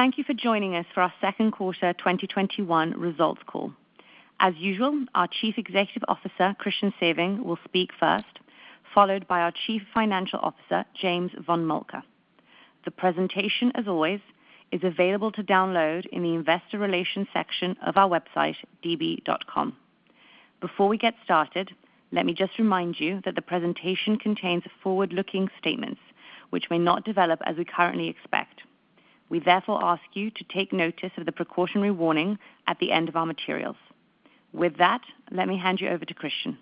Thank you for joining us for our second quarter 2021 results call. As usual, our Chief Executive Officer, Christian Sewing, will speak first, followed by our Chief Financial Officer, James von Moltke. The presentation, as always, is available to download in the investor relations section of our website, db.com. Before we get started, let me just remind you that the presentation contains forward-looking statements which may not develop as we currently expect. We therefore ask you to take notice of the precautionary warning at the end of our materials. With that, let me hand you over to Christian.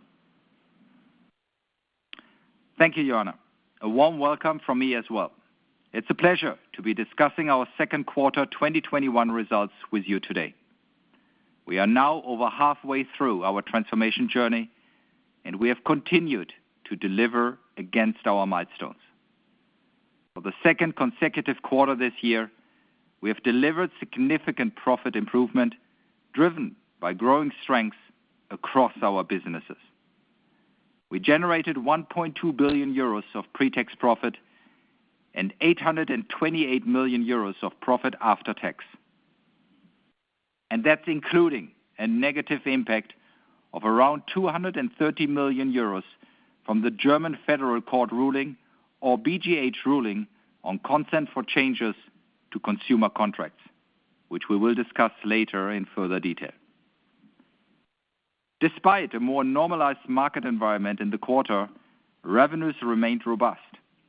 Thank you, Ioana. A warm welcome from me as well. It's a pleasure to be discussing our second quarter 2021 results with you today. We are now over halfway through our transformation journey, and we have continued to deliver against our milestones. For the second consecutive quarter this year, we have delivered significant profit improvement, driven by growing strengths across our businesses. We generated 1.2 billion euros of pre-tax profit and 828 million euros of profit after tax. That's including a negative impact of around 230 million euros from the German Federal Court of Justice ruling, or BGH ruling, on consent for changes to consumer contracts, which we will discuss later in further detail. Despite a more normalized market environment in the quarter, revenues remained robust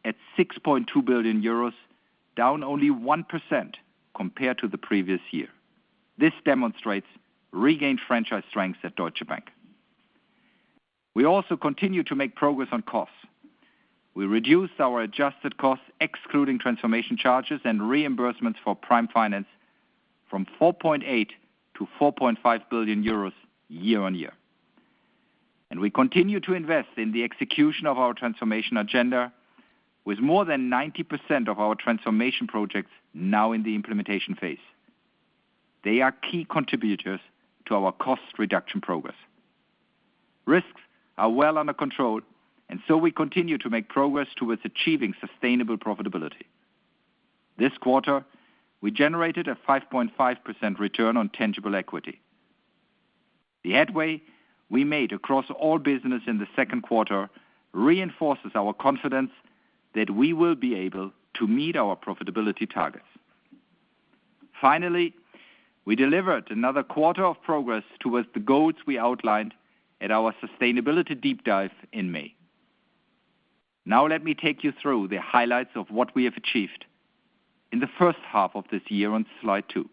at 6.2 billion euros, down only 1% compared to the previous year. This demonstrates regained franchise strengths at Deutsche Bank. We also continue to make progress on costs. We reduced our adjusted costs, excluding transformation charges and reimbursements for Prime Finance from 4.8 billion to 4.5 billion euros year-over-year. We continue to invest in the execution of our transformation agenda with more than 90% of our transformation projects now in the implementation phase. They are key contributors to our cost reduction progress. Risks are well under control, and so we continue to make progress towards achieving sustainable profitability. This quarter, we generated a 5.5% return on tangible equity. The headway we made across all businesses in the second quarter reinforces our confidence that we will be able to meet our profitability targets. Finally, we delivered another quarter of progress towards the goals we outlined at our sustainability deep dive in May. Let me take you through the highlights of what we have achieved in the first half of this year on slide two.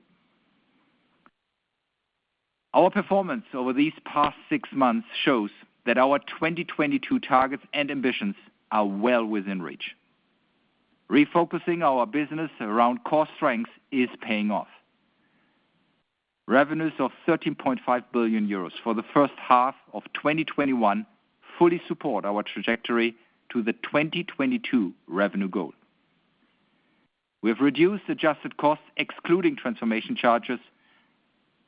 Our performance over these past six months shows that our 2022 targets and ambitions are well within reach. Refocusing our business around core strengths is paying off. Revenues of 13.5 billion euros for the first half of 2021 fully support our trajectory to the 2022 revenue goal. We have reduced adjusted costs, excluding transformation charges,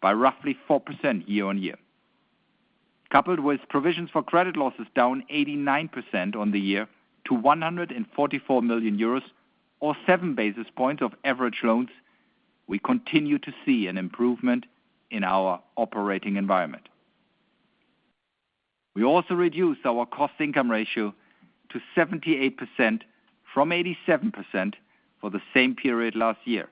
by roughly 4% year-on-year. Coupled with provisions for credit losses down 89% on the year to 144 million euros, or 7 basis points of average loans, we continue to see an improvement in our operating environment. We also reduced our cost-income ratio to 78% from 87% for the same period last year,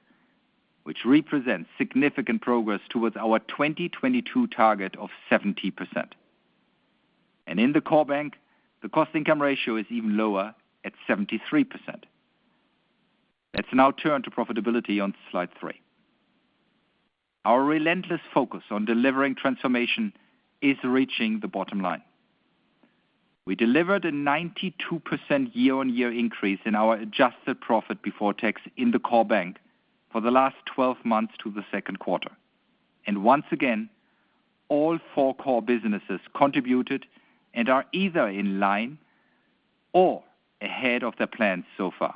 which represents significant progress towards our 2022 target of 70%. In the Core Bank, the cost-income ratio is even lower, at 73%. Let's now turn to profitability on slide 3. Our relentless focus on delivering transformation is reaching the bottom line. We delivered a 92% year-on-year increase in our adjusted profit before tax in the core bank for the last 12 months to the second quarter. Once again, all four core businesses contributed and are either in line or ahead of their plans so far.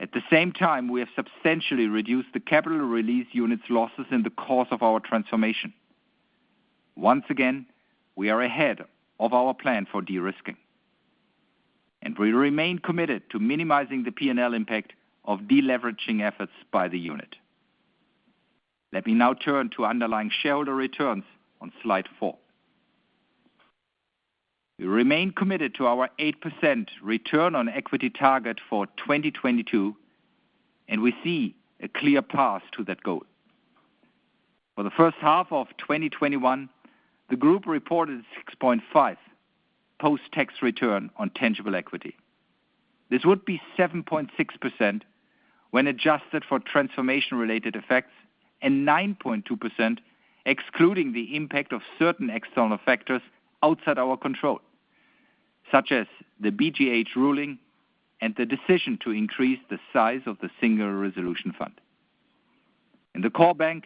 At the same time, we have substantially reduced the Capital Release Unit's losses in the course of our transformation. Once again, we are ahead of our plan for de-risking. We remain committed to minimizing the P&L impact of deleveraging efforts by the unit. Let me now turn to underlying shareholder returns on slide four. We remain committed to our 8% return on equity target for 2022, and we see a clear path to that goal. For the first half of 2021, the group reported 6.5% post-tax return on tangible equity. This would be 7.6% when adjusted for transformation-related effects, and 9.2% excluding the impact of certain external factors outside our control, such as the BGH ruling and the decision to increase the size of the Single Resolution Fund. In the core bank,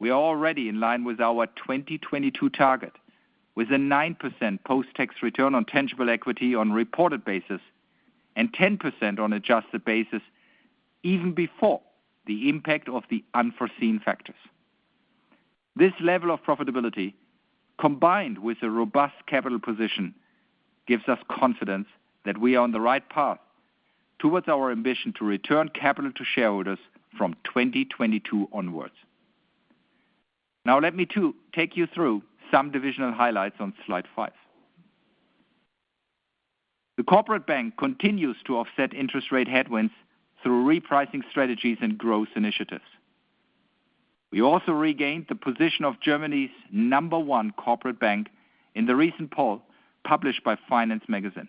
we are already in line with our 2022 target, with a 9% post-tax return on tangible equity on a reported basis and 10% on adjusted basis even before the impact of the unforeseen factors. This level of profitability, combined with a robust capital position, gives us confidence that we are on the right path towards our ambition to return capital to shareholders from 2022 onwards. Now let me take you through some divisional highlights on slide five. The Corporate Bank continues to offset interest rate headwinds through repricing strategies and growth initiatives. We also regained the position of Germany's number one Corporate Bank in the recent poll published by FINANCE Magazine.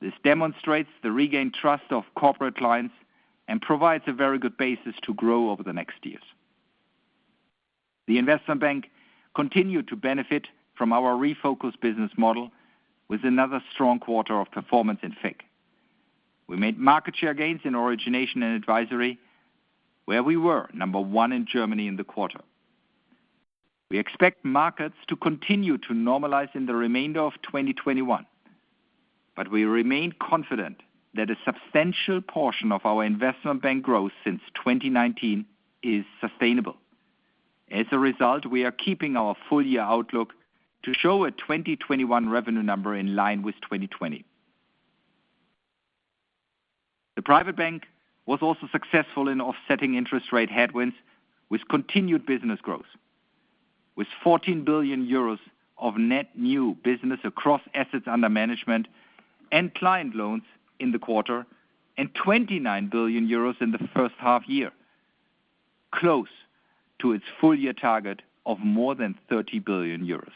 This demonstrates the regained trust of corporate clients and provides a very good basis to grow over the next years. The Investment Bank continued to benefit from our refocused business model with another strong quarter of performance in FIC. We made market share gains in Origination & Advisory, where we were number one in Germany in the quarter. We expect markets to continue to normalize in the remainder of 2021. We remain confident that a substantial portion of our Investment Bank growth since 2019 is sustainable. As a result, we are keeping our full year outlook to show a 2021 revenue number in line with 2020. The Private Bank was also successful in offsetting interest rate headwinds with continued business growth, with 14 billion euros of net new business across assets under management and client loans in the quarter, and 29 billion euros in the first half year, close to its full year target of more than 30 billion euros.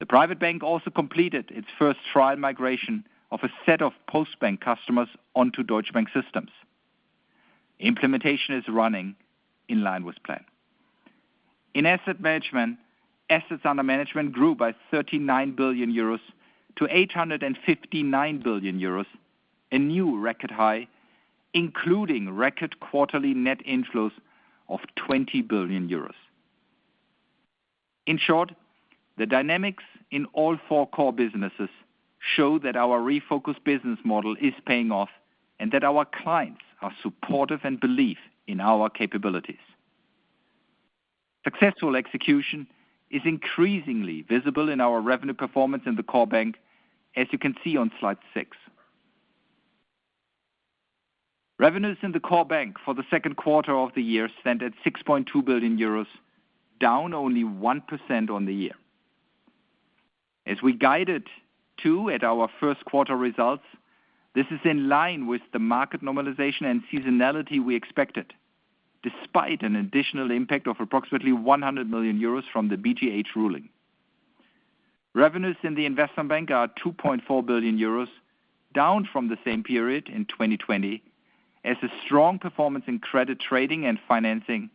The Private Bank also completed its first trial migration of a set of Postbank customers onto Deutsche Bank systems. Implementation is running in line with plan. In Asset Management, assets under management grew by 39 billion euros to 859 billion euros, a new record high, including record quarterly net inflows of 20 billion euros. In short, the dynamics in all four core businesses show that our refocused business model is paying off and that our clients are supportive and believe in our capabilities. Successful execution is increasingly visible in our revenue performance in the Core Bank, as you can see on slide six. Revenues in the Core Bank for the second quarter of the year stand at 6.2 billion euros, down only 1% on the year. As we guided to at our first quarter results, this is in line with the market normalization and seasonality we expected, despite an additional impact of approximately 100 million euros from the BGH ruling. Revenues in the Investment Bank are 2.4 billion euros, down from the same period in 2020 as a strong performance in credit trading and financing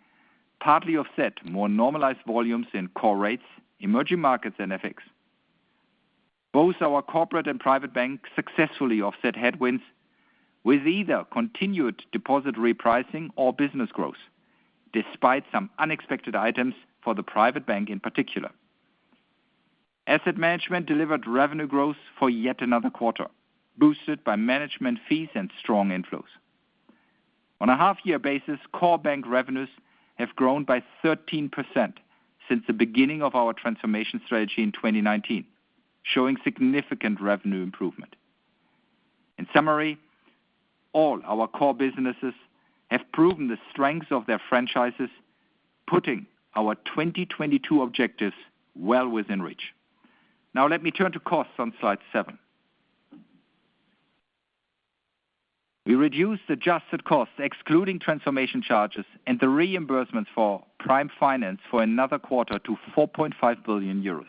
partly offset more normalized volumes in core rates, emerging markets, and FX. Both our Corporate and Private Bank successfully offset headwinds with either continued deposit repricing or business growth, despite some unexpected items for the Private Bank in particular. Asset Management delivered revenue growth for yet another quarter, boosted by management fees and strong inflows. On a half-year basis, Core Bank revenues have grown by 13% since the beginning of our transformation strategy in 2019, showing significant revenue improvement. In summary, all our core businesses have proven the strength of their franchises, putting our 2022 objectives well within reach. Let me turn to costs on slide seven. We reduced adjusted costs, excluding transformation charges and the reimbursements for Prime Finance for another quarter to 4.5 billion euros.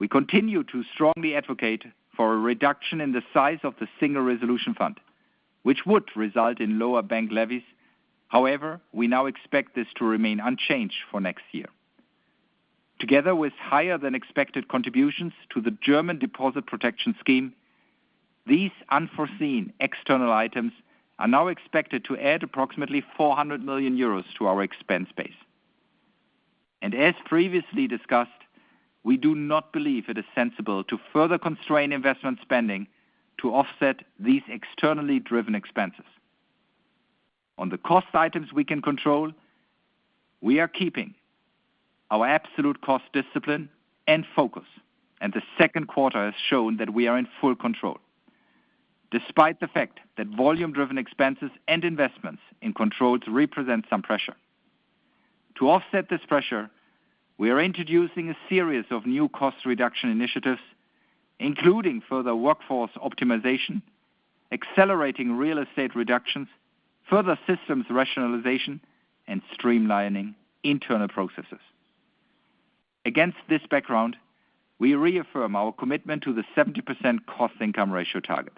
We continue to strongly advocate for a reduction in the size of the Single Resolution Fund, which would result in lower bank levies. We now expect this to remain unchanged for next year. Together with higher than expected contributions to the German Deposit Protection Scheme, these unforeseen external items are now expected to add approximately 400 million euros to our expense base. As previously discussed, we do not believe it is sensible to further constrain investment spending to offset these externally driven expenses. On the cost items we can control, we are keeping our absolute cost discipline and focus, and the second quarter has shown that we are in full control. Despite the fact that volume-driven expenses and investments in controls represent some pressure. To offset this pressure, we are introducing a series of new cost reduction initiatives, including further workforce optimization, accelerating real estate reductions, further systems rationalization, and streamlining internal processes. Against this background, we reaffirm our commitment to the 70% cost income ratio target.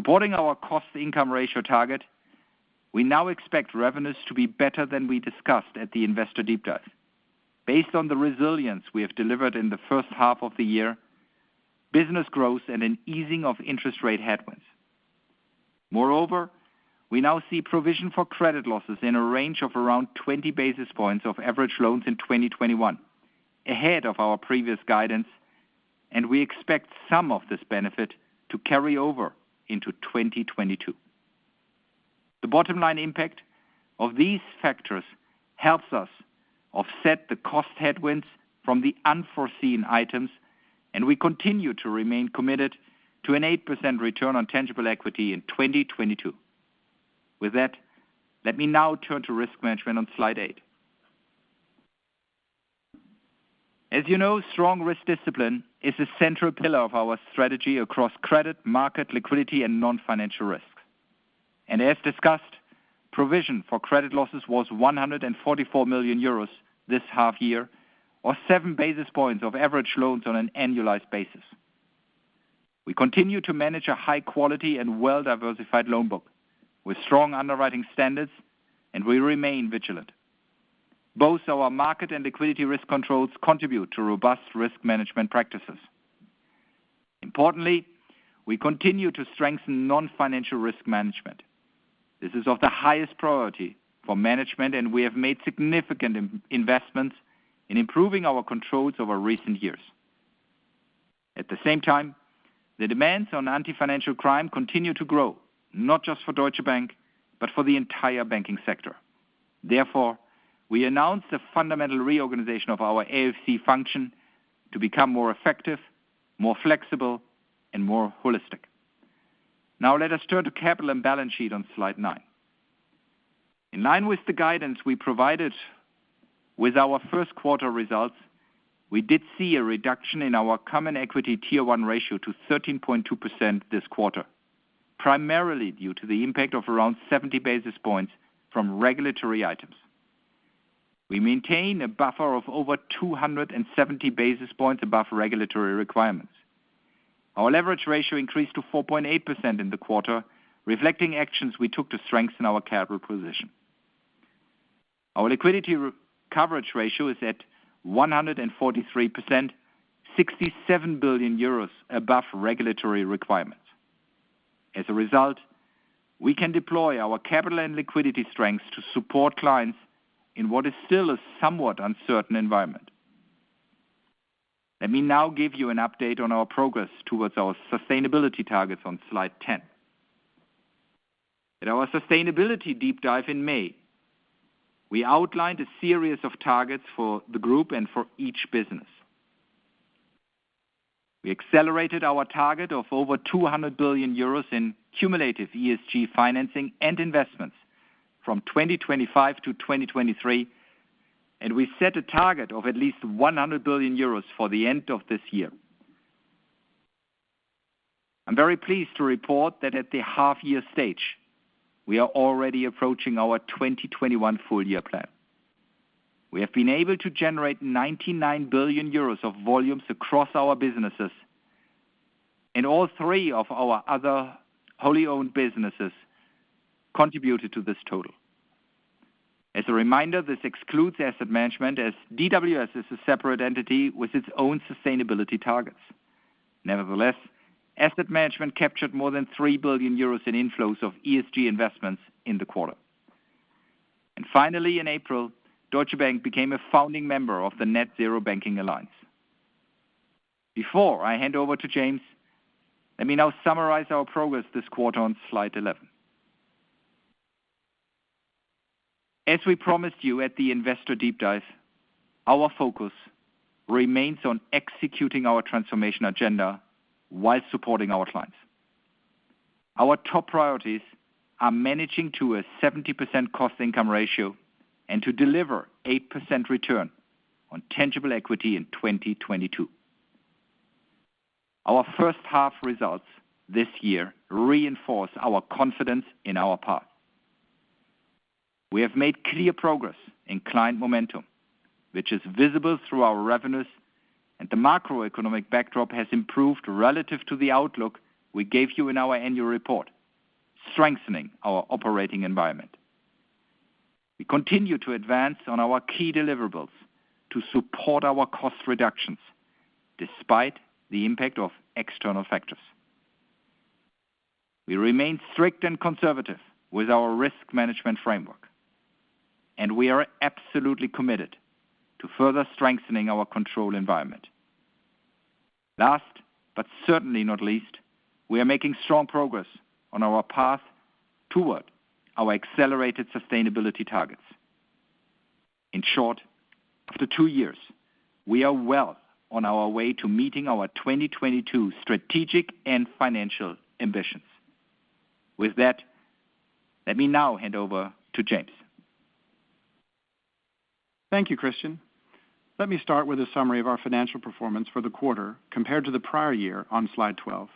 Supporting our cost income ratio target, we now expect revenues to be better than we discussed at the Investor Deep Dive. Based on the resilience we have delivered in the first half of the year, business growth, and an easing of interest rate headwinds. Moreover, we now see provision for credit losses in a range of around 20 basis points of average loans in 2021, ahead of our previous guidance. We expect some of this benefit to carry over into 2022. The bottom line impact of these factors helps us offset the cost headwinds from the unforeseen items. We continue to remain committed to an 8% return on tangible equity in 2022. With that, let me now turn to risk management on slide eight. As you know, strong risk discipline is a central pillar of our strategy across credit, market liquidity, and non-financial risk. As discussed, provision for credit losses was 144 million euros this half year, or 7 basis points of average loans on an annualized basis. We continue to manage a high quality and well-diversified loan book with strong underwriting standards. We remain vigilant. Both our market and liquidity risk controls contribute to robust risk management practices. Importantly, we continue to strengthen non-financial risk management. This is of the highest priority for management, and we have made significant investments in improving our controls over recent years. At the same time, the demands on anti-financial crime continue to grow, not just for Deutsche Bank, but for the entire banking sector. We announced a fundamental reorganization of our AFC function to become more effective, more flexible, and more holistic. Let us turn to capital and balance sheet on slide nine. In line with the guidance we provided with our first quarter results, we did see a reduction in our Common Equity Tier 1 ratio to 13.2% this quarter, primarily due to the impact of around 70 basis points from regulatory items. We maintain a buffer of over 270 basis points above regulatory requirements. Our leverage ratio increased to 4.8% in the quarter, reflecting actions we took to strengthen our capital position. Our liquidity coverage ratio is at 143%, 67 billion euros above regulatory requirements. As a result, we can deploy our capital and liquidity strengths to support clients in what is still a somewhat uncertain environment. Let me now give you an update on our progress towards our sustainability targets on slide 10. At our Sustainability Deep Dive in May, we outlined a series of targets for the group and for each business. We accelerated our target of over 200 billion euros in cumulative ESG financing and investments from 2025 to 2023, and we set a target of at least 100 billion euros for the end of this year. I'm very pleased to report that at the half year stage, we are already approaching our 2021 full year plan. We have been able to generate 99 billion euros of volumes across our businesses. All three of our other wholly owned businesses contributed to this total. As a reminder, this excludes Asset Management as DWS is a separate entity with its own sustainability targets. Nevertheless, Asset Management captured more than 3 billion euros in inflows of ESG investments in the quarter. Finally, in April, Deutsche Bank became a founding member of the Net-Zero Banking Alliance. Before I hand over to James, let me now summarize our progress this quarter on slide 11. As we promised you at the Investor Deep Dive, our focus remains on executing our transformation agenda while supporting our clients. Our top priorities are managing to a 70% cost income ratio and to deliver 8% return on tangible equity in 2022. Our first half results this year reinforce our confidence in our path. We have made clear progress in client momentum, which is visible through our revenues, and the macroeconomic backdrop has improved relative to the outlook we gave you in our annual report, strengthening our operating environment. We continue to advance on our key deliverables to support our cost reductions despite the impact of external factors. We remain strict and conservative with our risk management framework, and we are absolutely committed to further strengthening our control environment. Last, but certainly not least, we are making strong progress on our path toward our accelerated sustainability targets. In short, after two years, we are well on our way to meeting our 2022 strategic and financial ambitions. With that, let me now hand over to James. Thank you, Christian. Let me start with a summary of our financial performance for the quarter compared to the prior year on slide 12.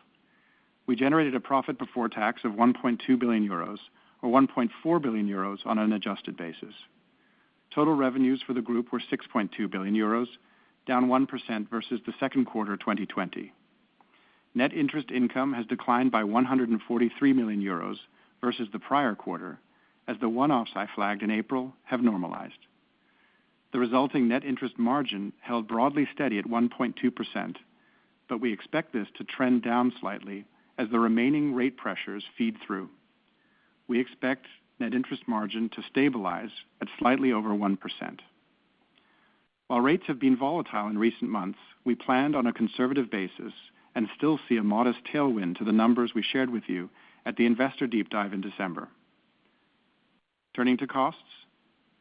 We generated a profit before tax of 1.2 billion euros, or 1.4 billion euros on an adjusted basis. Total revenues for the group were 6.2 billion euros, down 1% versus the second quarter of 2020. Net interest income has declined by 143 million euros versus the prior quarter as the one-offs I flagged in April have normalized. The resulting net interest margin held broadly steady at 1.2%, but we expect this to trend down slightly as the remaining rate pressures feed through. We expect net interest margin to stabilize at slightly over 1%. While rates have been volatile in recent months, we planned on a conservative basis and still see a modest tailwind to the numbers we shared with you at the Investor Deep Dive in December. Turning to costs,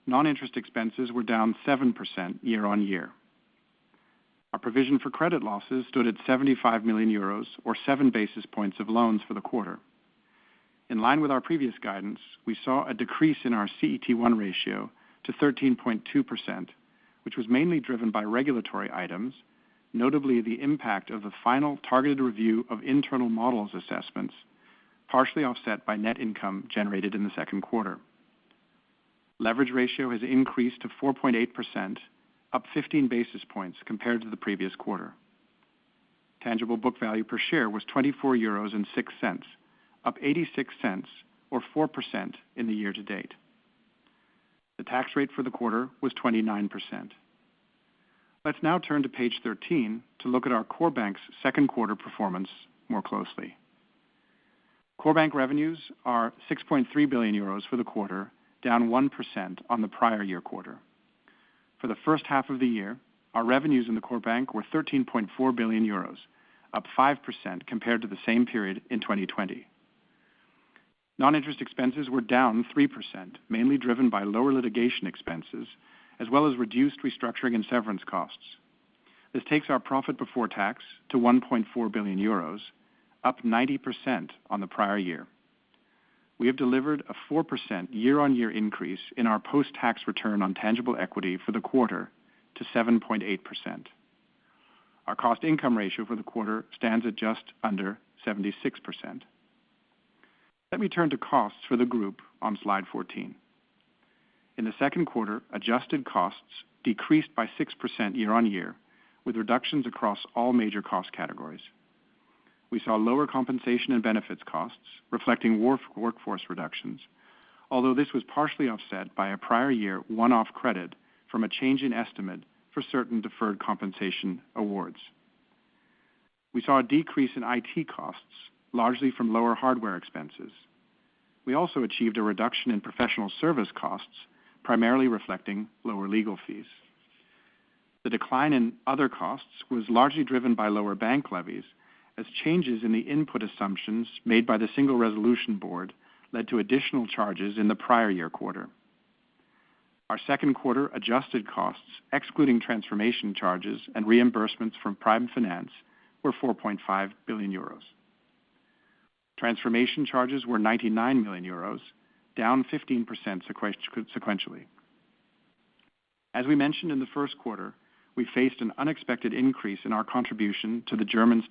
non-interest expenses were down 7% year-on-year. Our provision for credit losses stood at 75 million euros, or 7 basis points of loans for the quarter. In line with our previous guidance, we saw a decrease in our CET1 ratio to 13.2%, which was mainly driven by regulatory items, notably the impact of the final targeted review of internal models assessments, partially offset by net income generated in the second quarter. Leverage ratio has increased to 4.8%, up 15 basis points compared to the previous quarter. Tangible book value per share was 24.06 euros, up 0.86 or 4% in the year-to-date. The tax rate for the quarter was 29%. Let's now turn to page 13 to look at our core bank's second quarter performance more closely. Core bank revenues are 6.3 billion euros for the quarter, down 1% on the prior year quarter. For the first half of the year, our revenues in the core bank were 13.4 billion euros, up 5% compared to the same period in 2020. Non-interest expenses were down 3%, mainly driven by lower litigation expenses, as well as reduced restructuring and severance costs. This takes our profit before tax to 1.4 billion euros, up 90% on the prior year. We have delivered a 4% year-on-year increase in our post-tax return on tangible equity for the quarter to 7.8%. Our cost income ratio for the quarter stands at just under 76%. Let me turn to costs for the group on slide 14. In the second quarter, adjusted costs decreased by 6% year-on-year, with reductions across all major cost categories. We saw lower compensation and benefits costs reflecting workforce reductions, although this was partially offset by a prior year one-off credit from a change in estimate for certain deferred compensation awards. We saw a decrease in IT costs, largely from lower hardware expenses. We also achieved a reduction in professional service costs, primarily reflecting lower legal fees. The decline in other costs was largely driven by lower bank levies, as changes in the input assumptions made by the Single Resolution Board led to additional charges in the prior year quarter. Our second quarter adjusted costs, excluding transformation charges and reimbursements from Prime Finance, were 4.5 billion euros. Transformation charges were 99 million euros, down 15% sequentially. As we mentioned in the first quarter, we faced an unexpected increase in our contribution to the German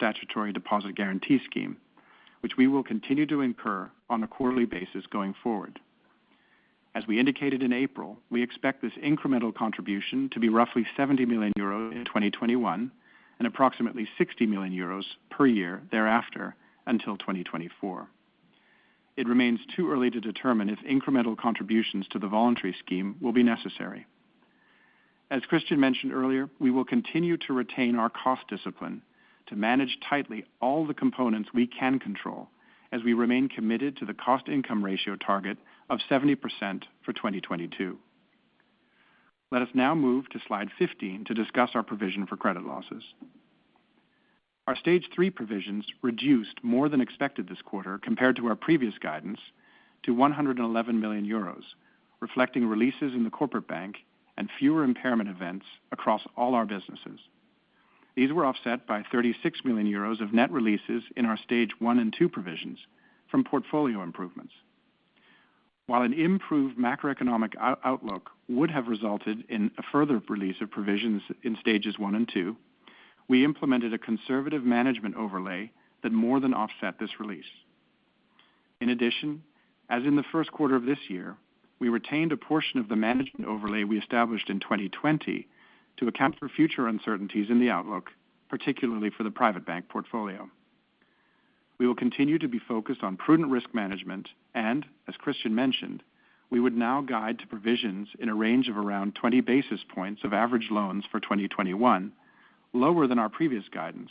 Deposit Guarantee Scheme, which we will continue to incur on a quarterly basis going forward. As we indicated in April, we expect this incremental contribution to be roughly 70 million euros in 2021 and approximately 60 million euros per year thereafter until 2024. It remains too early to determine if incremental contributions to the voluntary scheme will be necessary. As Christian mentioned earlier, we will continue to retain our cost discipline to manage tightly all the components we can control as we remain committed to the cost income ratio target of 70% for 2022. Let us now move to slide 15 to discuss our provision for credit losses. Our stage 3 provisions reduced more than expected this quarter compared to our previous guidance to 111 million euros, reflecting releases in the Corporate Bank and fewer impairment events across all our businesses. These were offset by 36 million euros of net releases in our stage 1 and 2 provisions from portfolio improvements. While an improved macroeconomic outlook would have resulted in a further release of provisions in stages 1 and 2, we implemented a conservative management overlay that more than offset this release. In addition, as in the first quarter of this year, we retained a portion of the management overlay we established in 2020 to account for future uncertainties in the outlook, particularly for the Private Bank portfolio. We will continue to be focused on prudent risk management, as Christian mentioned, we would now guide to provisions in a range of around 20 basis points of average loans for 2021, lower than our previous guidance,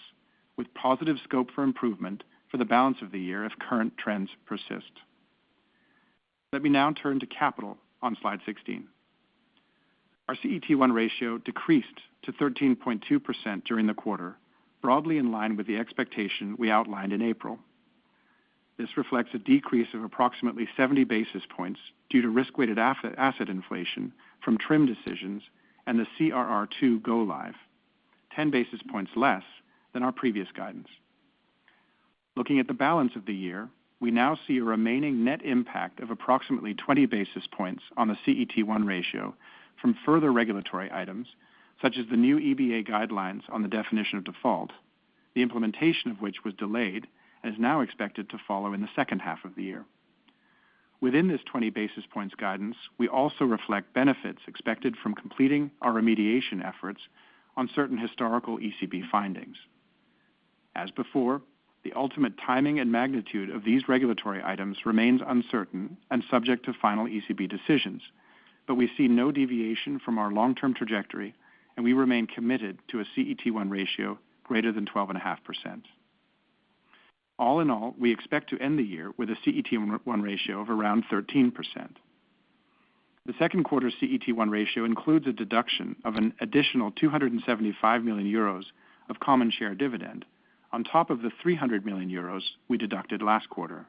with positive scope for improvement for the balance of the year if current trends persist. Let me now turn to capital on slide 16. Our CET1 ratio decreased to 13.2% during the quarter, broadly in line with the expectation we outlined in April. This reflects a decrease of approximately 70 basis points due to risk-weighted asset inflation from TRIM decisions and the CRR2 go live, 10 basis points less than our previous guidance. Looking at the balance of the year, we now see a remaining net impact of approximately 20 basis points on the CET1 ratio from further regulatory items such as the new EBA guidelines on the definition of default, the implementation of which was delayed and is now expected to follow in the second half of the year. Within this 20 basis points guidance, we also reflect benefits expected from completing our remediation efforts on certain historical ECB findings. As before, the ultimate timing and magnitude of these regulatory items remains uncertain and subject to final ECB decisions. We see no deviation from our long-term trajectory, and we remain committed to a CET1 ratio greater than 12.5%. All in all, we expect to end the year with a CET1 ratio of around 13%. The second quarter CET1 ratio includes a deduction of an additional 275 million euros of common share dividend on top of the 300 million euros we deducted last quarter.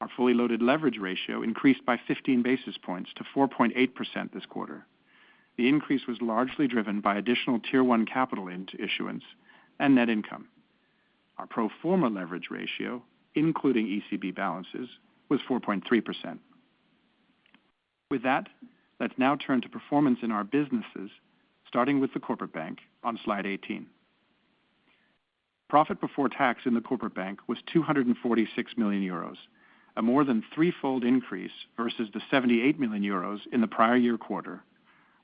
Our fully loaded leverage ratio increased by 15 basis points to 4.8% this quarter. The increase was largely driven by additional Tier 1 capital into issuance and net income. Our pro forma leverage ratio, including ECB balances, was 4.3%. With that, let's now turn to performance in our businesses, starting with the Corporate Bank on slide 18. Profit before tax in the Corporate Bank was 246 million euros, a more than threefold increase versus the 78 million euros in the prior year quarter,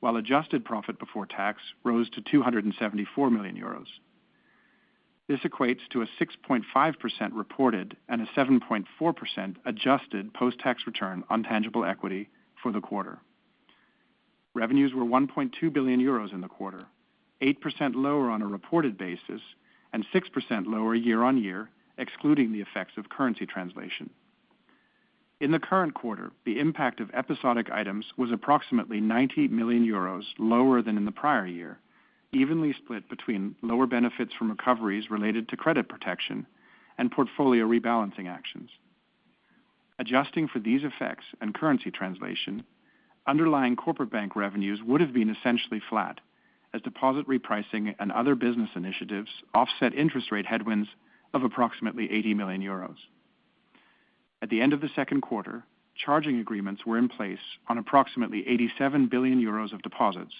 while adjusted profit before tax rose to 274 million euros. This equates to a 6.5% reported and a 7.4% adjusted post-tax return on tangible equity for the quarter. Revenues were 1.2 billion euros in the quarter, 8% lower on a reported basis and 6% lower year-on-year, excluding the effects of currency translation. In the current quarter, the impact of episodic items was approximately 90 million euros lower than in the prior year, evenly split between lower benefits from recoveries related to credit protection and portfolio rebalancing actions. Adjusting for these effects and currency translation, underlying Corporate Bank revenues would have been essentially flat as deposit repricing and other business initiatives offset interest rate headwinds of approximately 80 million euros. At the end of the second quarter, charging agreements were in place on approximately 87 billion euros of deposits,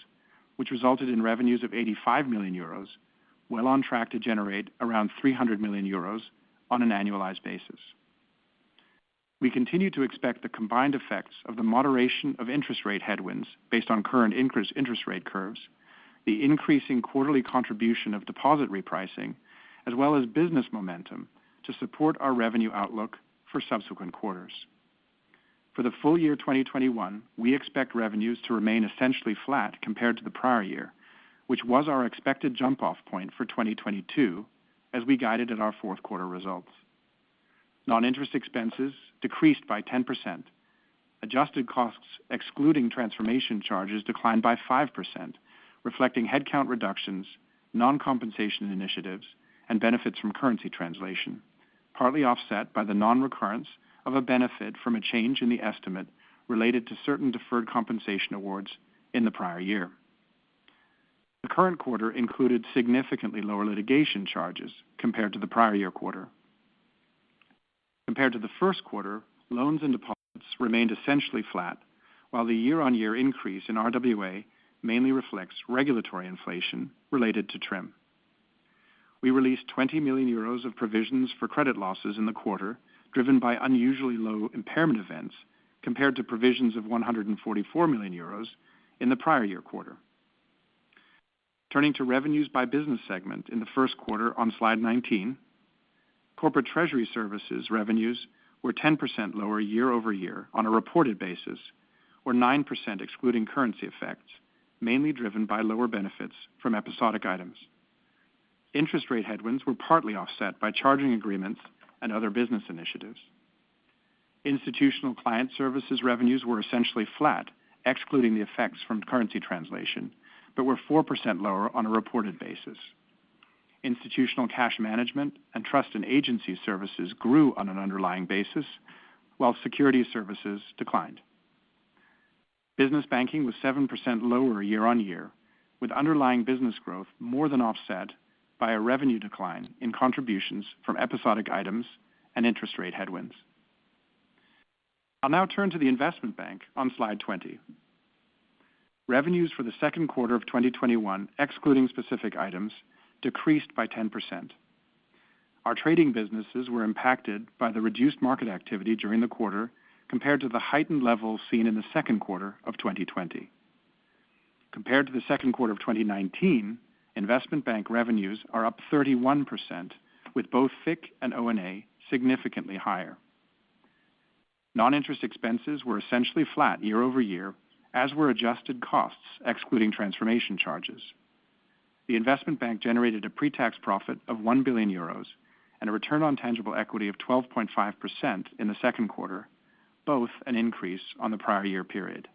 which resulted in revenues of 85 million euros, well on track to generate around 300 million euros on an annualized basis. We continue to expect the combined effects of the moderation of interest rate headwinds based on current increased interest rate curves, the increasing quarterly contribution of deposit repricing, as well as business momentum to support our revenue outlook for subsequent quarters. For the full year 2021, we expect revenues to remain essentially flat compared to the prior year, which was our expected jump-off point for 2022, as we guided in our fourth quarter results. Non-interest expenses decreased by 10%. Adjusted costs excluding transformation charges declined by 5%, reflecting headcount reductions, non-compensation initiatives, and benefits from currency translation, partly offset by the non-recurrence of a benefit from a change in the estimate related to certain deferred compensation awards in the prior year. The current quarter included significantly lower litigation charges compared to the prior year quarter. Compared to the first quarter, loans and deposits remained essentially flat, while the year-on-year increase in RWA mainly reflects regulatory inflation related to TRIM. We released 20 million euros of provisions for credit losses in the quarter, driven by unusually low impairment events compared to provisions of 144 million euros in the prior-year quarter. Turning to revenues by business segment in the first quarter on slide 19. Corporate Treasury Services revenues were 10% lower year-over-year on a reported basis, or 9% excluding currency effects, mainly driven by lower benefits from episodic items. Interest rate headwinds were partly offset by charging agreements and other business initiatives. Institutional Client Services revenues were essentially flat, excluding the effects from currency translation, but were 4% lower on a reported basis. Institutional Cash Management and Trust and Agency Services grew on an underlying basis, while Securities Services declined. Business banking was 7% lower year-on-year, with underlying business growth more than offset by a revenue decline in contributions from episodic items and interest rate headwinds. I'll now turn to the Investment Bank on slide 20. Revenues for the second quarter of 2021, excluding specific items, decreased by 10%. Our trading businesses were impacted by the reduced market activity during the quarter compared to the heightened level seen in the second quarter of 2020. Compared to the second quarter of 2019, Investment Bank revenues are up 31%, with both FIC and O&A significantly higher. Non-interest expenses were essentially flat year-over-year, as were adjusted costs excluding transformation charges. The Investment Bank generated a pre-tax profit of 1 billion euros and a return on tangible equity of 12.5% in the second quarter, both an increase on the prior year period.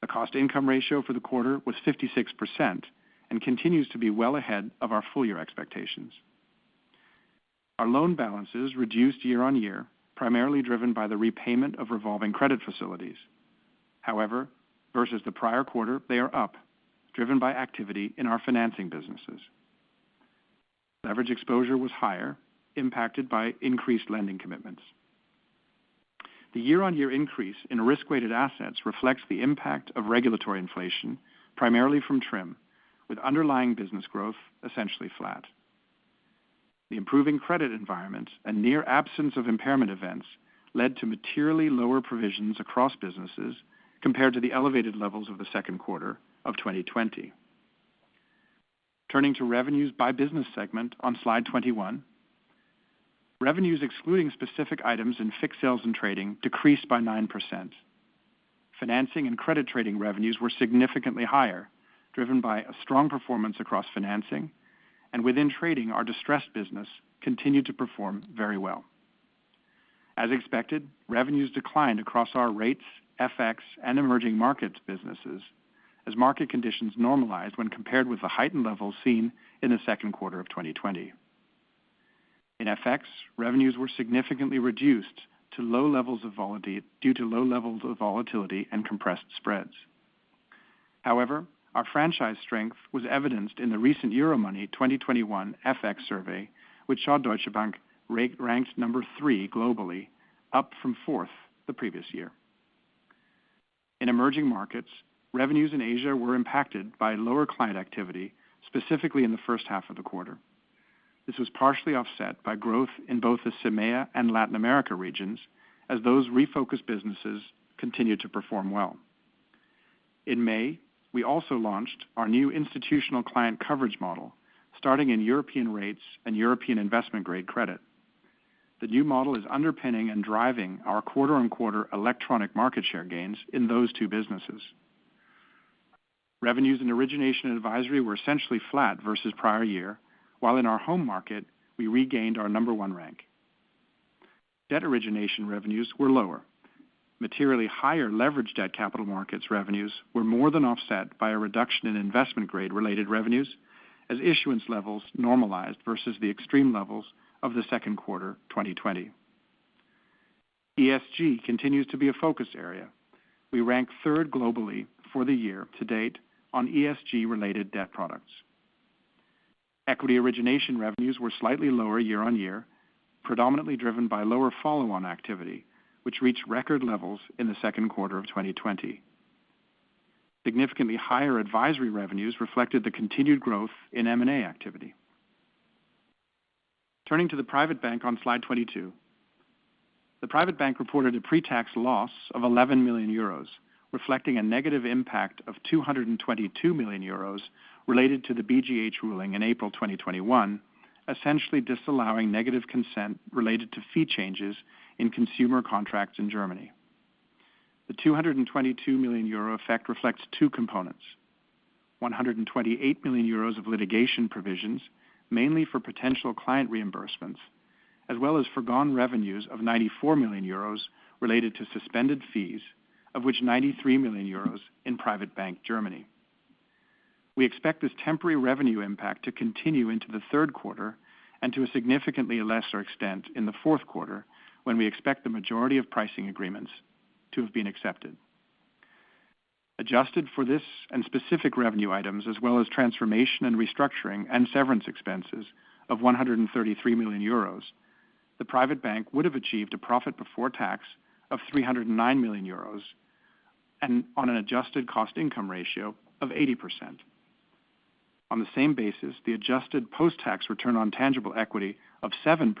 The cost-to-income ratio for the quarter was 56% and continues to be well ahead of our full-year expectations. Our loan balances reduced year-on-year, primarily driven by the repayment of revolving credit facilities. However versus the prior quarter, they are up, driven by activity in our financing businesses. Leverage exposure was higher, impacted by increased lending commitments. The year-on-year increase in risk-weighted assets reflects the impact of regulatory inflation, primarily from TRIM, with underlying business growth essentially flat. The improving credit environment and near absence of impairment events led to materially lower provisions across businesses compared to the elevated levels of the second quarter of 2020. Turning to revenues by business segment on slide 21. Revenues excluding specific items in FICC sales and trading decreased by 9%. Financing and credit trading revenues were significantly higher, driven by a strong performance across financing. Within trading, our distressed business continued to perform very well. As expected, revenues declined across our rates, FX, and emerging markets businesses as market conditions normalized when compared with the heightened levels seen in the second quarter of 2020. In FX, revenues were significantly reduced due to low levels of volatility and compressed spreads. Our franchise strength was evidenced in the recent Euromoney 2021 FX survey, which saw Deutsche Bank ranked number three globally, up from fourth the previous year. In emerging markets, revenues in Asia were impacted by lower client activity, specifically in the first half of the quarter. This was partially offset by growth in both the EMEA and Latin America regions as those refocused businesses continued to perform well. In May, we also launched our new institutional client coverage model starting in European rates and European investment-grade credit. The new model is underpinning and driving our quarter-on-quarter electronic market share gains in those two businesses. Revenues and Origination & Advisory were essentially flat versus prior year, while in our home market, we regained our number one rank. Debt origination revenues were lower. Materially higher leverage debt capital markets revenues were more than offset by a reduction in investment grade-related revenues as issuance levels normalized versus the extreme levels of the second quarter 2020. ESG continues to be a focus area. We rank third globally for the year to date on ESG-related debt products. Equity origination revenues were slightly lower year-on-year, predominantly driven by lower follow-on activity, which reached record levels in the second quarter of 2020. Significantly higher advisory revenues reflected the continued growth in M&A activity. Turning to the Private Bank on slide 22. The Private Bank reported a pre-tax loss of 11 million euros, reflecting a negative impact of 222 million euros related to the BGH ruling in April 2021, essentially disallowing negative consent related to fee changes in consumer contracts in Germany. The 222 million euro effect reflects two components. 128 million euros of litigation provisions, mainly for potential client reimbursements, as well as forgone revenues of 94 million euros related to suspended fees, of which 93 million euros in Private Bank Germany. We expect this temporary revenue impact to continue into the third quarter and to a significantly lesser extent in the fourth quarter, when we expect the majority of pricing agreements to have been accepted. Adjusted for this and specific revenue items as well as transformation and restructuring and severance expenses of 133 million euros, the Private Bank would have achieved a profit before tax of 309 million euros and on an adjusted cost income ratio of 80%. On the same basis, the adjusted post-tax return on tangible equity of 7%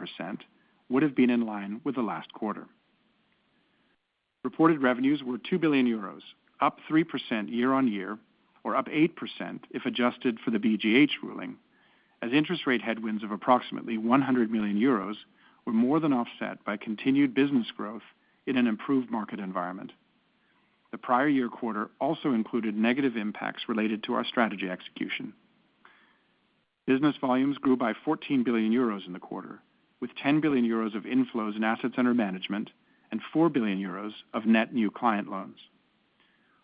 would have been in line with the last quarter. Reported revenues were 2 billion euros, up 3% year-on-year or up 8% if adjusted for the BGH ruling, as interest rate headwinds of approximately 100 million euros were more than offset by continued business growth in an improved market environment. The prior year quarter also included negative impacts related to our strategy execution. Business volumes grew by 14 billion euros in the quarter, with 10 billion euros of inflows in assets under management and 4 billion euros of net new client loans.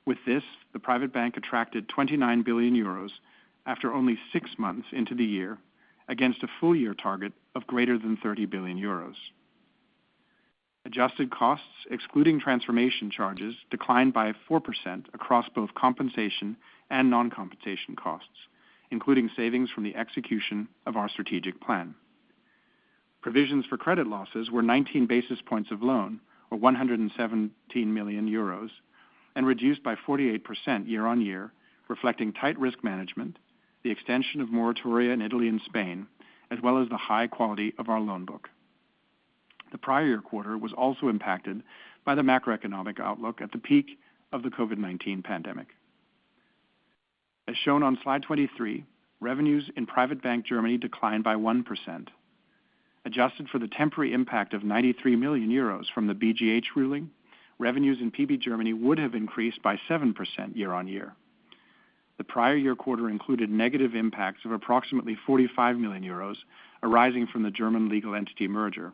With this, the Private Bank attracted 29 billion euros after only 6 months into the year against a full year target of greater than 30 billion euros. Adjusted costs, excluding transformation charges, declined by 4% across both compensation and non-compensation costs, including savings from the execution of our strategic plan. Provisions for credit losses were 19 basis points of loan, or 117 million euros, and reduced by 48% year-on-year, reflecting tight risk management, the extension of moratoria in Italy and Spain, as well as the high quality of our loan book. The prior year quarter was also impacted by the macroeconomic outlook at the peak of the COVID-19 pandemic. As shown on slide 23, revenues in Private Bank Germany declined by 1%. Adjusted for the temporary impact of 93 million euros from the BGH ruling, revenues in PB Germany would have increased by 7% year-on-year. The prior year quarter included negative impacts of approximately 45 million euros arising from the German legal entity merger.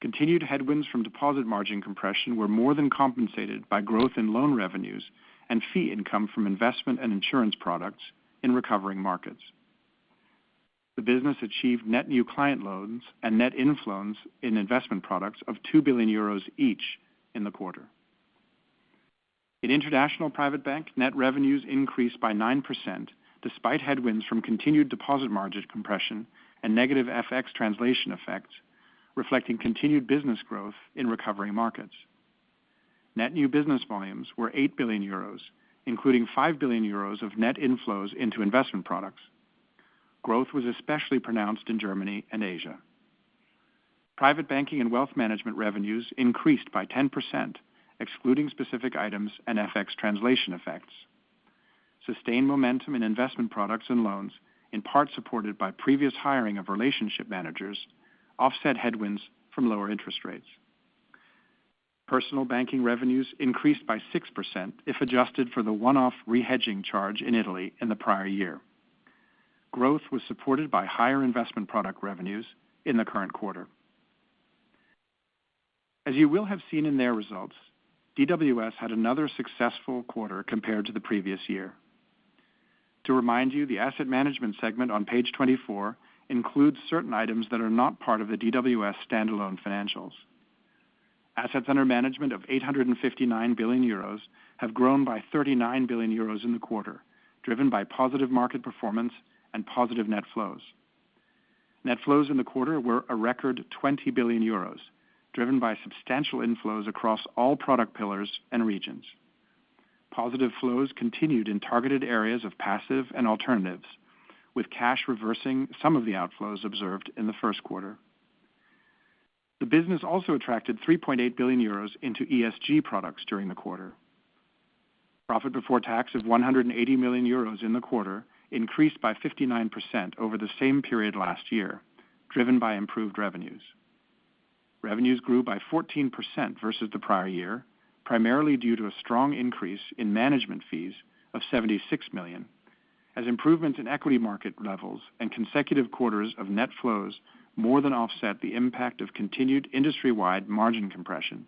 Continued headwinds from deposit margin compression were more than compensated by growth in loan revenues and fee income from investment and insurance products in recovering markets. The business achieved net new client loans and net inflows in investment products of 2 billion euros each in the quarter. In International Private Bank, net revenues increased by 9%, despite headwinds from continued deposit margin compression and negative FX translation effects, reflecting continued business growth in recovery markets. Net new business volumes were 8 billion euros, including 5 billion euros of net inflows into investment products. Growth was especially pronounced in Germany and Asia. Private banking and wealth management revenues increased by 10%, excluding specific items and FX translation effects. Sustained momentum in investment products and loans, in part supported by previous hiring of relationship managers, offset headwinds from lower interest rates. Personal banking revenues increased by 6% if adjusted for the one-off re-hedging charge in Italy in the prior year. Growth was supported by higher investment product revenues in the current quarter. As you will have seen in their results, DWS had another successful quarter compared to the previous year. To remind you, the Asset Management segment on page 24 includes certain items that are not part of the DWS standalone financials. Assets under management of 859 billion euros have grown by 39 billion euros in the quarter, driven by positive market performance and positive net flows. Net flows in the quarter were a record 20 billion euros, driven by substantial inflows across all product pillars and regions. Positive flows continued in targeted areas of passive and alternatives, with cash reversing some of the outflows observed in the first quarter. The business also attracted 3.8 billion euros into ESG products during the quarter. Profit before tax of 180 million euros in the quarter increased by 59% over the same period last year, driven by improved revenues. Revenues grew by 14% versus the prior year, primarily due to a strong increase in management fees of 76 million, as improvements in equity market levels and consecutive quarters of net flows more than offset the impact of continued industry-wide margin compression.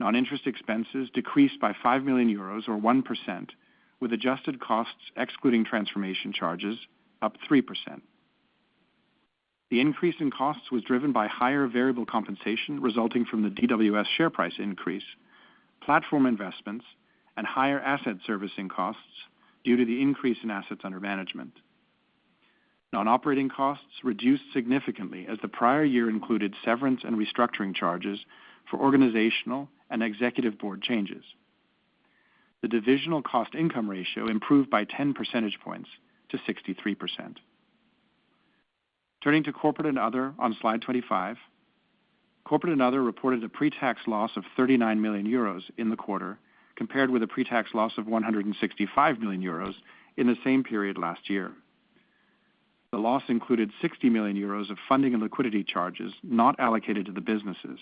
Non-interest expenses decreased by 5 million euros, or 1%, with adjusted costs excluding transformation charges up 3%. The increase in costs was driven by higher variable compensation resulting from the DWS share price increase, platform investments, and higher asset servicing costs due to the increase in assets under management. Non-operating costs reduced significantly as the prior year included severance and restructuring charges for organizational and executive board changes. The divisional cost-income ratio improved by 10 percentage points to 63%. Turning to Corporate & Other on slide 25. Corporate & Other reported a pre-tax loss of 39 million euros in the quarter, compared with a pre-tax loss of 165 million euros in the same period last year. The loss included 60 million euros of funding and liquidity charges not allocated to the businesses,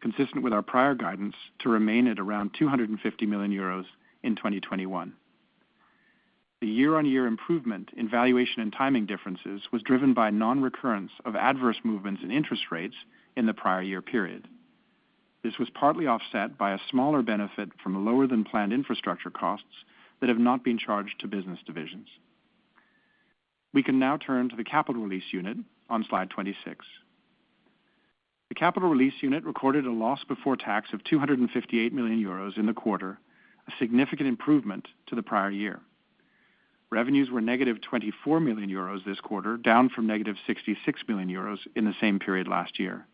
consistent with our prior guidance to remain at around 250 million euros in 2021. The year-on-year improvement in valuation and timing differences was driven by non-recurrence of adverse movements in interest rates in the prior year period. This was partly offset by a smaller benefit from lower-than-planned infrastructure costs that have not been charged to business divisions. We can now turn to the Capital Release Unit on slide 26. The Capital Release Unit recorded a loss before tax of 258 million euros in the quarter, a significant improvement to the prior year. Revenues were negative 24 million euros this quarter, down from negative 66 million euros in the same period last year.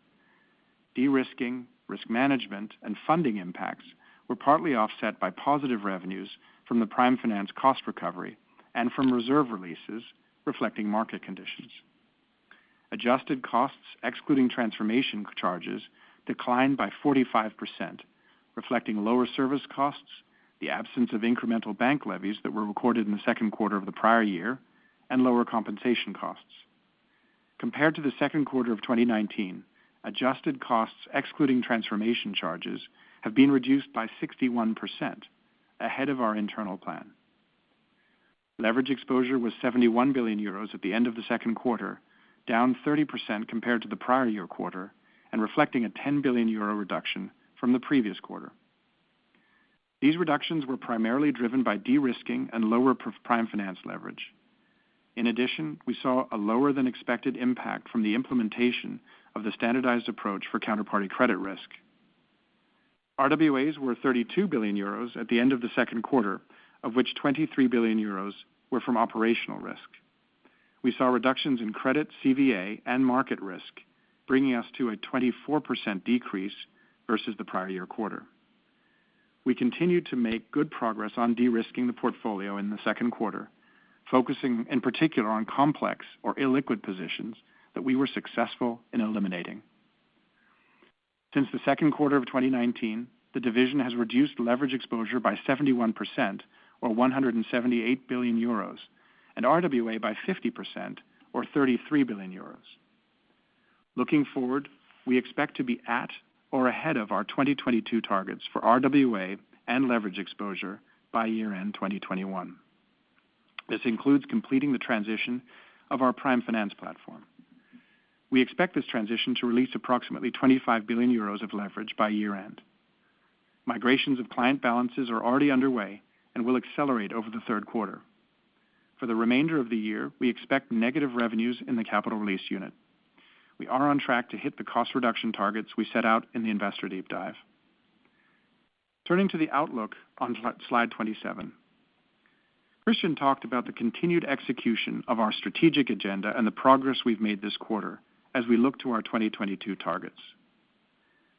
De-risking, risk management, and funding impacts were partly offset by positive revenues from the Prime Finance cost recovery and from reserve releases reflecting market conditions. Adjusted costs, excluding transformation charges, declined by 45%, reflecting lower service costs, the absence of incremental bank levies that were recorded in the second quarter of the prior year, and lower compensation costs. Compared to the second quarter of 2019, adjusted costs, excluding transformation charges, have been reduced by 61%, ahead of our internal plan. Leverage exposure was 71 billion euros at the end of the second quarter, down 30% compared to the prior year quarter and reflecting a 10 billion euro reduction from the previous quarter. These reductions were primarily driven by de-risking and lower Prime Finance leverage. In addition, we saw a lower-than-expected impact from the implementation of the standardized approach for counterparty credit risk. RWA were 32 billion euros at the end of the second quarter, of which 23 billion euros were from operational risk. We saw reductions in credit, CVA, and market risk, bringing us to a 24% decrease versus the prior year quarter. We continued to make good progress on de-risking the portfolio in the second quarter, focusing in particular on complex or illiquid positions that we were successful in eliminating. Since the second quarter of 2019, the division has reduced leverage exposure by 71%, or 178 billion euros, and RWA by 50%, or 33 billion euros. Looking forward, we expect to be at or ahead of our 2022 targets for RWA and leverage exposure by year-end 2021. This includes completing the transition of our Prime Finance platform. We expect this transition to release approximately 25 billion euros of leverage by year-end. Migrations of client balances are already underway and will accelerate over the third quarter. For the remainder of the year, we expect negative revenues in the Capital Release Unit. We are on track to hit the cost reduction targets we set out in the Investor Deep Dive. Turning to the outlook on slide 27. Christian talked about the continued execution of our strategic agenda and the progress we've made this quarter as we look to our 2022 targets.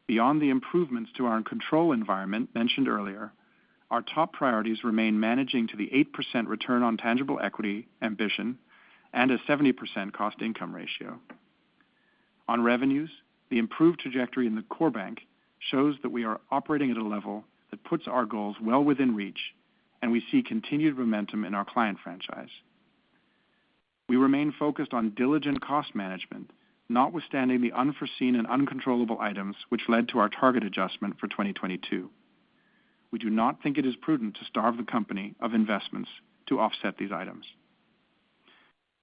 Beyond the improvements to our control environment mentioned earlier, our top priorities remain managing to the 8% Return on Tangible Equity ambition and a 70% cost-income ratio. On revenues, the improved trajectory in the core bank shows that we are operating at a level that puts our goals well within reach, and we see continued momentum in our client franchise. We remain focused on diligent cost management, notwithstanding the unforeseen and uncontrollable items which led to our target adjustment for 2022. We do not think it is prudent to starve the company of investments to offset these items.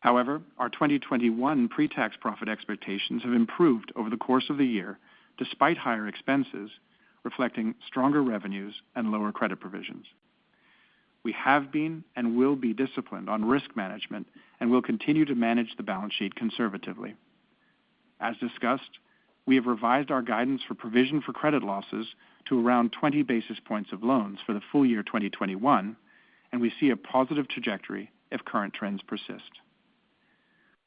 However, our 2021 pre-tax profit expectations have improved over the course of the year, despite higher expenses reflecting stronger revenues and lower credit provisions. We have been and will be disciplined on risk management and will continue to manage the balance sheet conservatively. As discussed, we have revised our guidance for provision for credit losses to around 20 basis points of loans for the full year 2021, and we see a positive trajectory if current trends persist.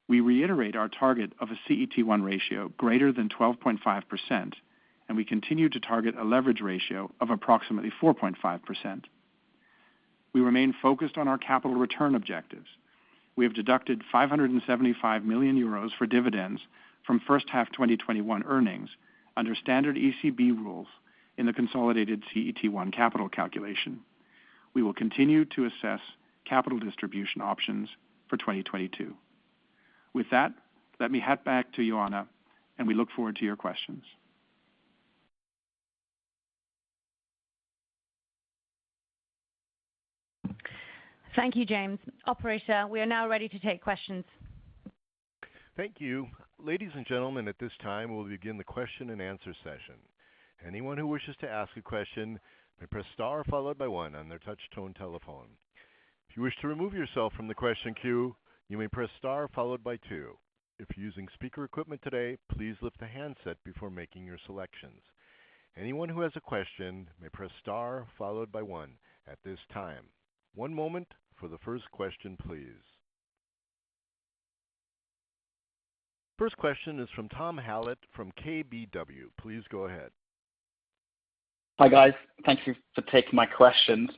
We reiterate our target of a CET1 ratio greater than 12.5%, and we continue to target a leverage ratio of approximately 4.5%. We remain focused on our capital return objectives. We have deducted 575 million euros for dividends from first half 2021 earnings under standard ECB rules in the consolidated CET1 capital calculation. We will continue to assess capital distribution options for 2022. With that, let me hand back to Ioana, and we look forward to your questions. Thank you, James. Operator, we are now ready to take questions. Thank you. Ladies and gentlemen, at this time, we'll begin the question and answer session. Anyone who wishes to ask a question may press star followed by one on their touch-tone telephone. If you wish to remove yourself from the question queue, you may press star followed by two. If you're using speaker equipment today, please lift the handset before making your selections. Anyone who has a question may press star followed by one at this time. One moment for the first question, please. First question is from Tom Hallett from KBW. Please go ahead. Hi, guys. Thank you for taking my questions.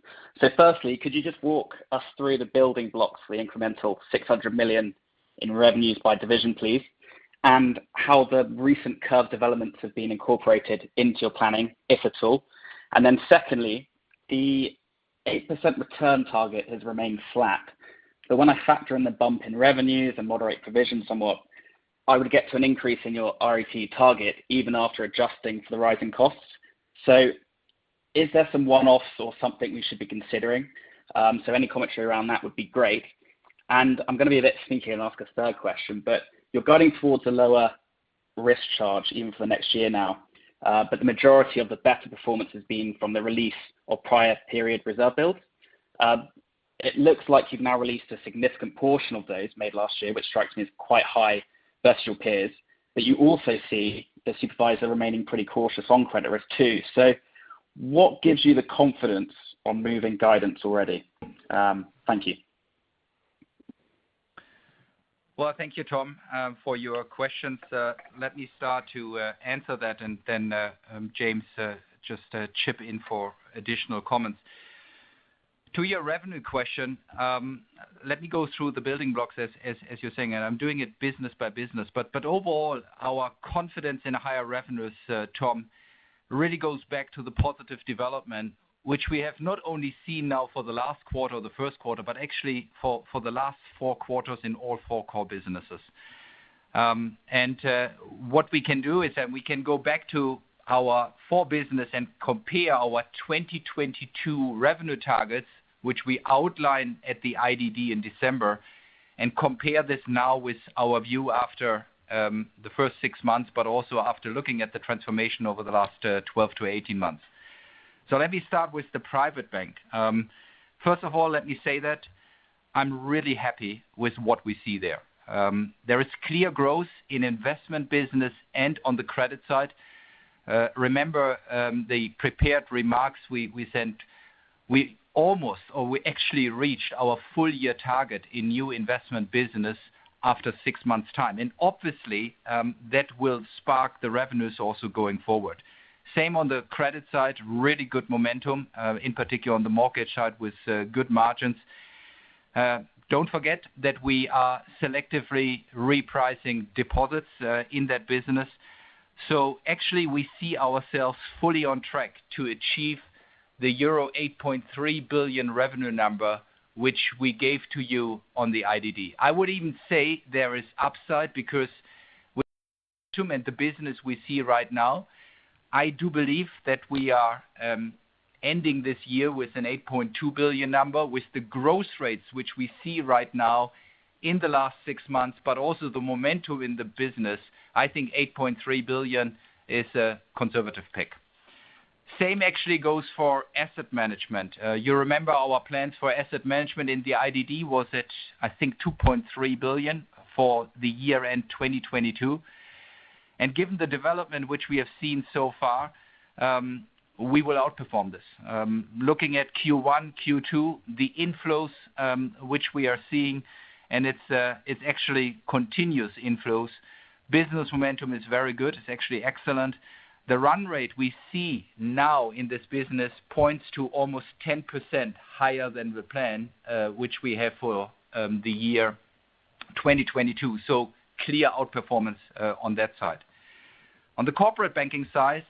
Firstly, could you just walk us through the building blocks for the incremental 600 million in revenues by division, please, and how the recent curve developments have been incorporated into your planning, if at all? Secondly, the 8% return target has remained flat. When I factor in the bump in revenues and moderate provision somewhat, I would get to an increase in your RoTE target even after adjusting for the rising costs. Is there some one-offs or something we should be considering? Any commentary around that would be great. I'm going to be a bit sneaky and ask a third question, you're guiding towards a lower risk charge even for the next year now. The majority of the better performance has been from the release of prior period reserve builds. It looks like you've now released a significant portion of those made last year, which strikes me as quite high versus your peers. You also see the supervisor remaining pretty cautious on credit risk too. What gives you the confidence on moving guidance already? Thank you. Well, thank you, Tom, for your questions. Let me start to answer that and then James just chip in for additional comments. To your revenue question, let me go through the building blocks as you're saying, and I'm doing it business by business. Overall, our confidence in higher revenues, Tom, really goes back to the positive development, which we have not only seen now for the last quarter or the first quarter, but actually for the last four quarters in all four core businesses. What we can do is that we can go back to our four businesses and compare our 2022 revenue targets, which we outlined at the IDD in December, and compare this now with our view after the first six months, but also after looking at the transformation over the last 12-18 months. Let me start with the Private Bank. First of all, let me say that I'm really happy with what we see there. There is clear growth in investment business and on the credit side. Remember, the prepared remarks we sent, we almost, or we actually reached our full-year target in new investment business after six months time. Obviously, that will spark the revenues also going forward. Same on the credit side, really good momentum, in particular on the mortgage side with good margins. Don't forget that we are selectively repricing deposits in that business. Actually, we see ourselves fully on track to achieve the euro 8.3 billion revenue number, which we gave to you on the IDD. I would even say there is upside because with the momentum and the business we see right now, I do believe that we are ending this year with an 8.2 billion number with the growth rates which we see right now in the last six months, but also the momentum in the business. I think 8.3 billion is a conservative pick. Same actually goes for Asset Management. You remember our plans for Asset Management in the IDD was at, I think, 2.3 billion for the year-end 2022. Given the development which we have seen so far, we will outperform this. Looking at Q1, Q2, the inflows which we are seeing, and it actually continues inflows Business momentum is very good, it's actually excellent. The run rate we see now in this business points to almost 10% higher than the plan which we have for the year 2022. Clear outperformance on that side. On the Corporate Bank side,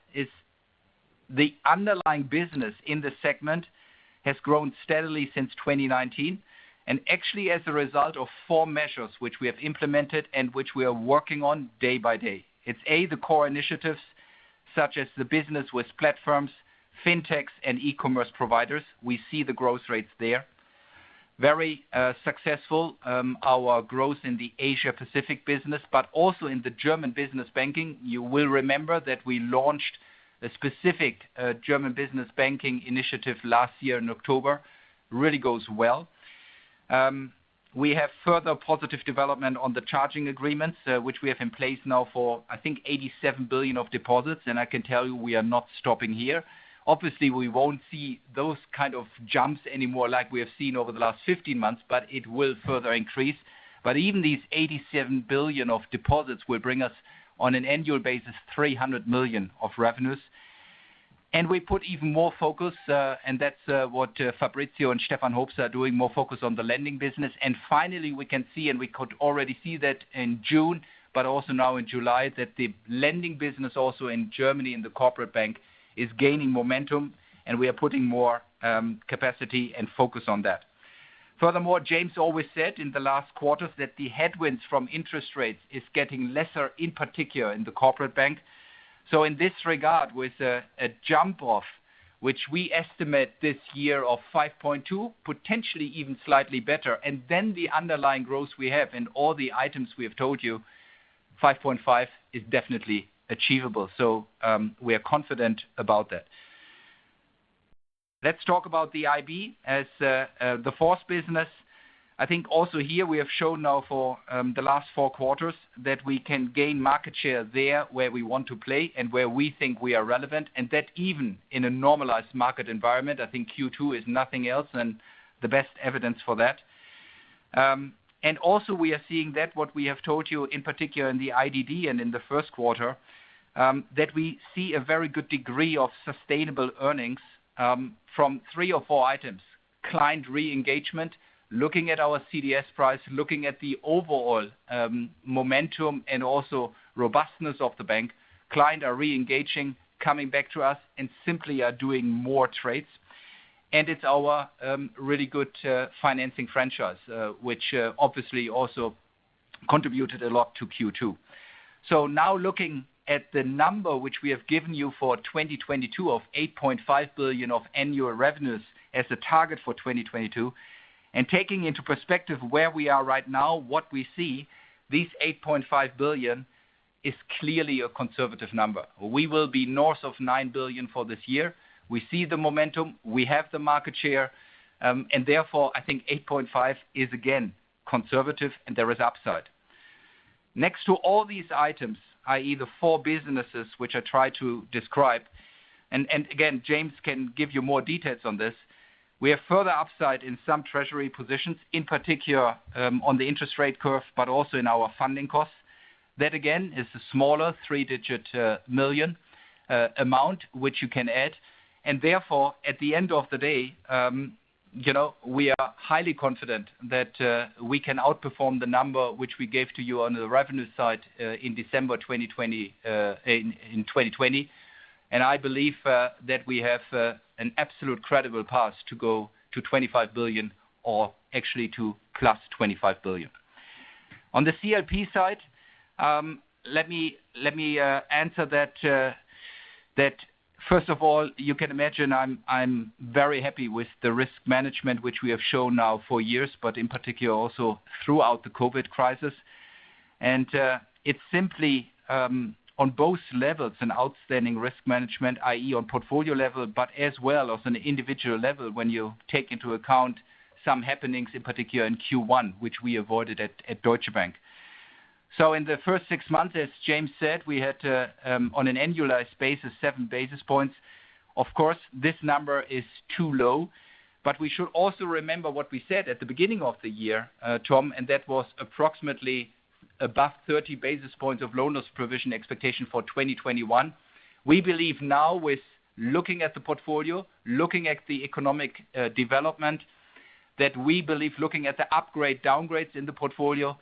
the underlying business in the segment has grown steadily since 2019, and actually as a result of four measures which we have implemented and which we are working on day by day. It's, A, the core initiatives such as the business with platforms, fintechs, and e-commerce providers. We see the growth rates there. Very successful, our growth in the Asia-Pacific business, but also in the German business banking. You will remember that we launched a specific German business banking initiative last year in October. Really goes well. We have further positive development on the charging agreements, which we have in place now for, I think, 87 billion of deposits, and I can tell you, we are not stopping here. Obviously, we won't see those kind of jumps anymore like we have seen over the last 15 months, but it will further increase. Even these 87 billion of deposits will bring us, on an annual basis, 300 million of revenues, and we put even more focus, and that's what Fabrizio and Stefan Hoops are doing, more focus on the lending business. Finally, we can see, and we could already see that in June, but also now in July, that the lending business also in Germany in the Corporate Bank is gaining momentum, and we are putting more capacity and focus on that. James always said in the last quarters that the headwinds from interest rates is getting lesser, in particular in the Corporate Bank. In this regard, with a jump-off, which we estimate this year of 5.2%, potentially even slightly better, and then the underlying growth we have and all the items we have told you, 5.5% is definitely achievable. We are confident about that. Talk about the Investment Bank as the fourth business. I think also here we have shown now for the last four quarters that we can gain market share there where we want to play and where we think we are relevant, and that even in a normalized market environment. I think Q2 is nothing else than the best evidence for that. We are seeing that what we have told you, in particular in the IDD and in the first quarter, that we see a very good degree of sustainable earnings from three or four items. Client re-engagement, looking at our CDS price, looking at the overall momentum and also robustness of the bank. Client are re-engaging, coming back to us, and simply are doing more trades. It's our really good financing franchise, which obviously also contributed a lot to Q2. Looking at the number which we have given you for 2022 of 8.5 billion of annual revenues as the target for 2022, and taking into perspective where we are right now, what we see, this 8.5 billion is clearly a conservative number. We will be north of 9 billion for this year. We see the momentum, we have the market share. Therefore, I think 8.5 is again, conservative and there is upside. Next to all these items, i.e., the four businesses which I try to describe, and again, James can give you more details on this, we have further upside in some treasury positions, in particular, on the interest rate curve but also in our funding costs. That again, is a smaller three-digit million amount which you can add. Therefore, at the end of the day, we are highly confident that we can outperform the number which we gave to you on the revenue side in December 2020 in 2020. I believe that we have an absolute credible path to go to 25 billion or actually to plus 25 billion. On the CLP side, let me answer that first of all, you can imagine I'm very happy with the risk management, which we have shown now for years, but in particular also throughout the COVID crisis. It's simply, on both levels, an outstanding risk management, i.e. on portfolio level, but as well as on an individual level when you take into account some happenings, in particular in Q1, which we avoided at Deutsche Bank. In the first six months, as James said, we had, on an annualized basis, seven basis points. Of course, this number is too low, but we should also remember what we said at the beginning of the year, Tom, and that was approximately above 30 basis points of loan loss provision expectation for 2021. We believe now with looking at the portfolio, looking at the economic development, that we believe looking at the upgrade/downgrades in the portfolio,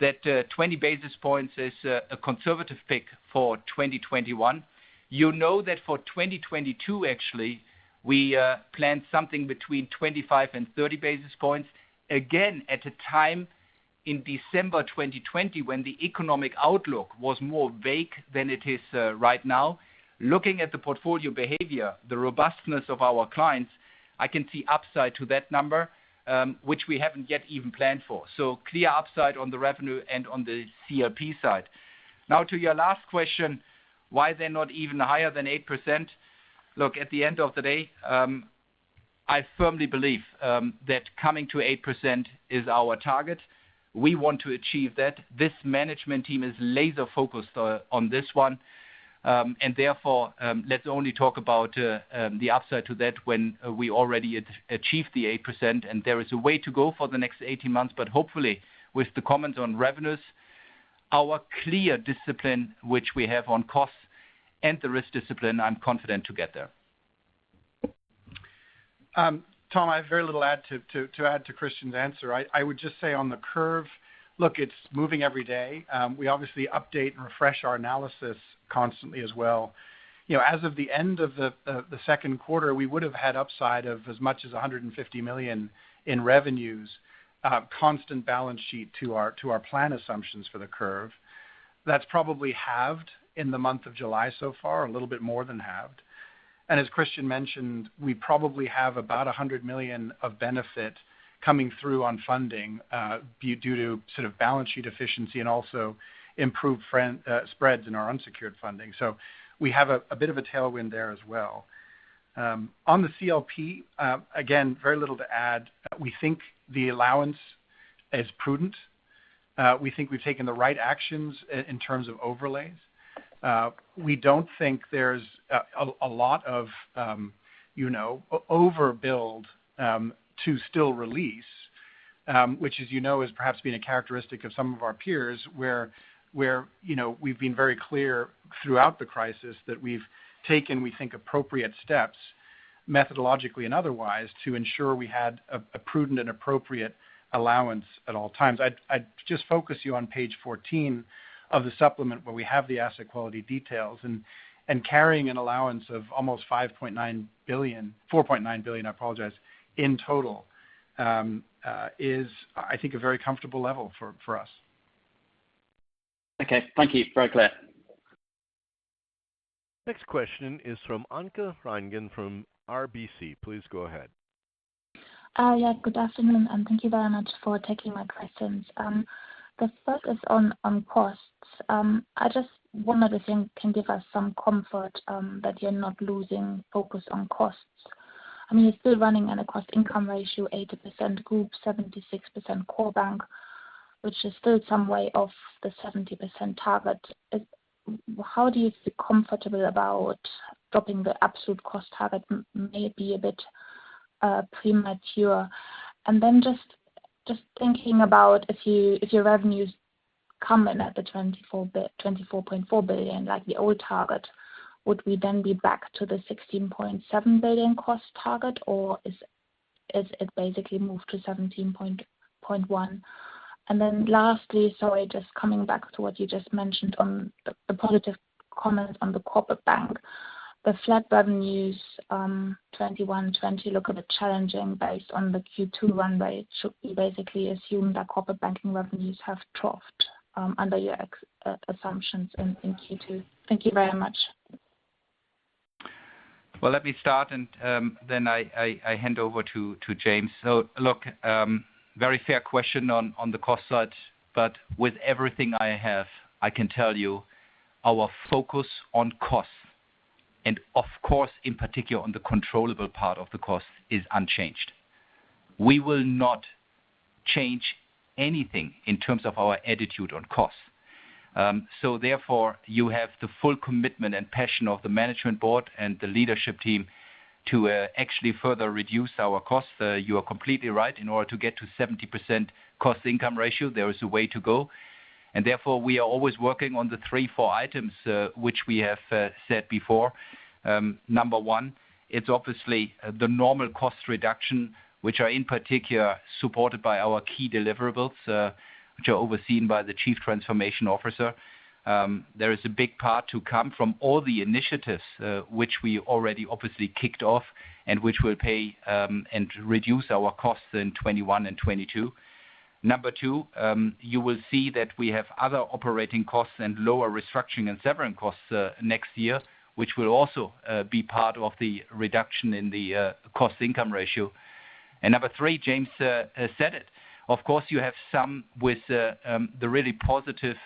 that 20 basis points is a conservative pick for 2021. You know that for 2022, actually, we planned something between 25 and 30 basis points. Again, at a time in December 2020 when the economic outlook was more vague than it is right now. Looking at the portfolio behavior, the robustness of our clients, I can see upside to that number, which we haven't yet even planned for. Clear upside on the revenue and on the CLP side. Now to your last question, why they're not even higher than 8%. Look, at the end of the day, I firmly believe that coming to 8% is our target. We want to achieve that. This management team is laser-focused on this one. Therefore, let's only talk about the upside to that when we already achieved the 8%, and there is a way to go for the next 18 months. Hopefully, with the comments on revenues, our clear discipline, which we have on costs and the risk discipline, I'm confident to get there. Tom, I have very little to add to Christian's answer. I would just say on the curve, look, it's moving every day. We obviously update and refresh our analysis constantly as well. As of the end of the second quarter, we would have had upside of as much as 150 million in revenues, constant balance sheet to our plan assumptions for the curve. That's probably halved in the month of July so far, a little bit more than halved. As Christian mentioned, we probably have about 100 million of benefit coming through on funding due to sort of balance sheet efficiency and also improved spreads in our unsecured funding. We have a bit of a tailwind there as well. On the CLP, again, very little to add. We think the allowance is prudent. We think we've taken the right actions in terms of overlays. We don't think there's a lot of overbuild to still release, which as you know, has perhaps been a characteristic of some of our peers, where we've been very clear throughout the crisis that we've taken, we think, appropriate steps, methodologically and otherwise, to ensure we had a prudent and appropriate allowance at all times. I'd just focus you on page 14 of the supplement where we have the asset quality details and carrying an allowance of almost 4.9 billion in total is, I think, a very comfortable level for us. Okay, thank you. Very clear. Next question is from Anke Reingen from RBC. Please go ahead. Yeah, good afternoon, and thank you very much for taking my questions. The first is on costs. I just wonder if you can give us some comfort that you're not losing focus on costs. You're still running at a cost income ratio, 80% group, 76% core bank, which is still some way off the 70% target. How do you feel comfortable about dropping the absolute cost target maybe a bit premature? Just thinking about if your revenues come in at 24.4 billion, like the old target, would we then be back to the 16.7 billion cost target, or is it basically moved to 17.1 billion? Lastly, sorry, just coming back to what you just mentioned on the positive comment on the Corporate Bank. The flat revenues, 2021, 2020 look a bit challenging based on the Q2 run rate. Should we basically assume that corporate banking revenues have troughed under your assumptions in Q2? Thank you very much. Let me start and then I hand over to James. Very fair question on the cost side, but with everything I have, I can tell you our focus on costs, and of course, in particular on the controllable part of the cost, is unchanged. We will not change anything in terms of our attitude on costs. You have the full commitment and passion of the management board and the leadership team to actually further reduce our costs. You are completely right. In order to get to 70% cost income ratio, there is a way to go. We are always working on the three, four items which we have said before. Number one, it's obviously the normal cost reduction, which are in particular supported by our key deliverables, which are overseen by the Chief Transformation Officer. There is a big part to come from all the initiatives which we already obviously kicked off and which will pay and reduce our costs in 2021 and 2022. Number two, you will see that we have other operating costs and lower restructuring and severance costs next year, which will also be part of the reduction in the cost income ratio. Number three, James has said it. Of course, you have some with the really positive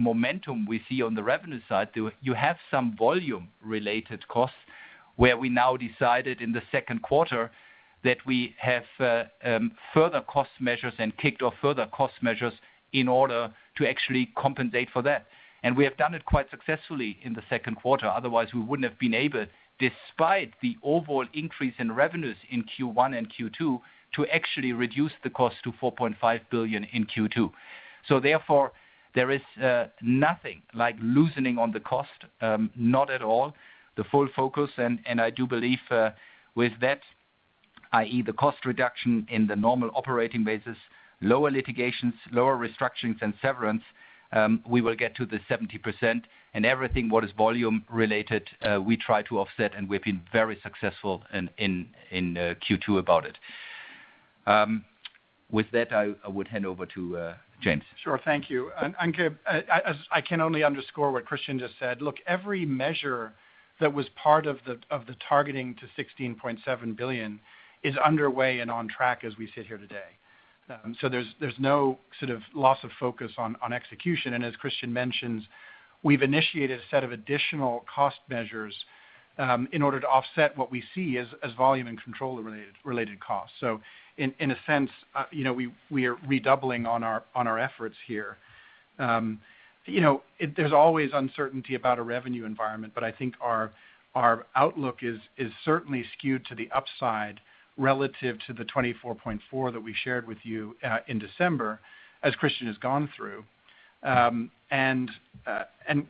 momentum we see on the revenue side. You have some volume-related costs where we now decided in the second quarter that we have further cost measures and kicked off further cost measures in order to actually compensate for that. We have done it quite successfully in the second quarter. Otherwise, we wouldn't have been able, despite the overall increase in revenues in Q1 and Q2, to actually reduce the cost to 4.5 billion in Q2. Therefore, there is nothing like loosening on the cost. Not at all. The full focus, and I do believe with that, i.e. the cost reduction in the normal operating basis, lower litigations, lower restructurings, and severance, we will get to the 70%. Everything what is volume related we try to offset, and we've been very successful in Q2 about it. With that, I would hand over to James. Sure. Thank you. Anke, I can only underscore what Christian just said. Look, every measure that was part of the targeting to 16.7 billion is underway and on track as we sit here today. There's no sort of loss of focus on execution. As Christian mentions, we've initiated a set of additional cost measures in order to offset what we see as volume and controller-related costs. In a sense, we are redoubling on our efforts here. There's always uncertainty about a revenue environment, but I think our outlook is certainly skewed to the upside relative to the 24.4 that we shared with you in December, as Christian has gone through.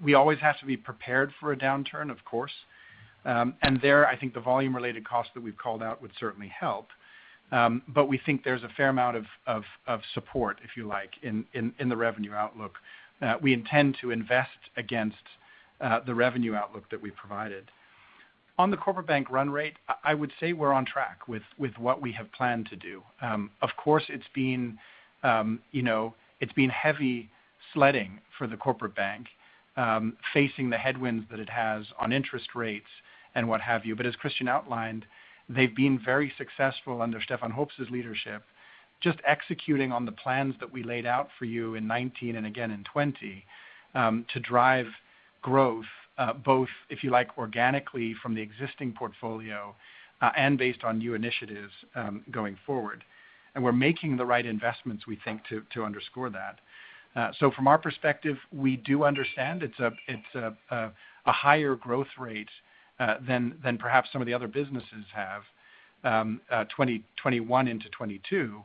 We always have to be prepared for a downturn, of course. There, I think the volume-related cost that we've called out would certainly help. We think there's a fair amount of support, if you like, in the revenue outlook. We intend to invest against the revenue outlook that we provided. On the Corporate Bank run rate, I would say we're on track with what we have planned to do. Of course, it's been heavy sledding for the Corporate Bank, facing the headwinds that it has on interest rates and what have you. As Christian outlined, they've been very successful under Stefan Hoops' leadership, just executing on the plans that we laid out for you in 2019 and again in 2020 to drive growth, both, if you like, organically from the existing portfolio and based on new initiatives going forward. We're making the right investments, we think, to underscore that. From our perspective, we do understand it's a higher growth rate than perhaps some of the other businesses have 2021 into 2022.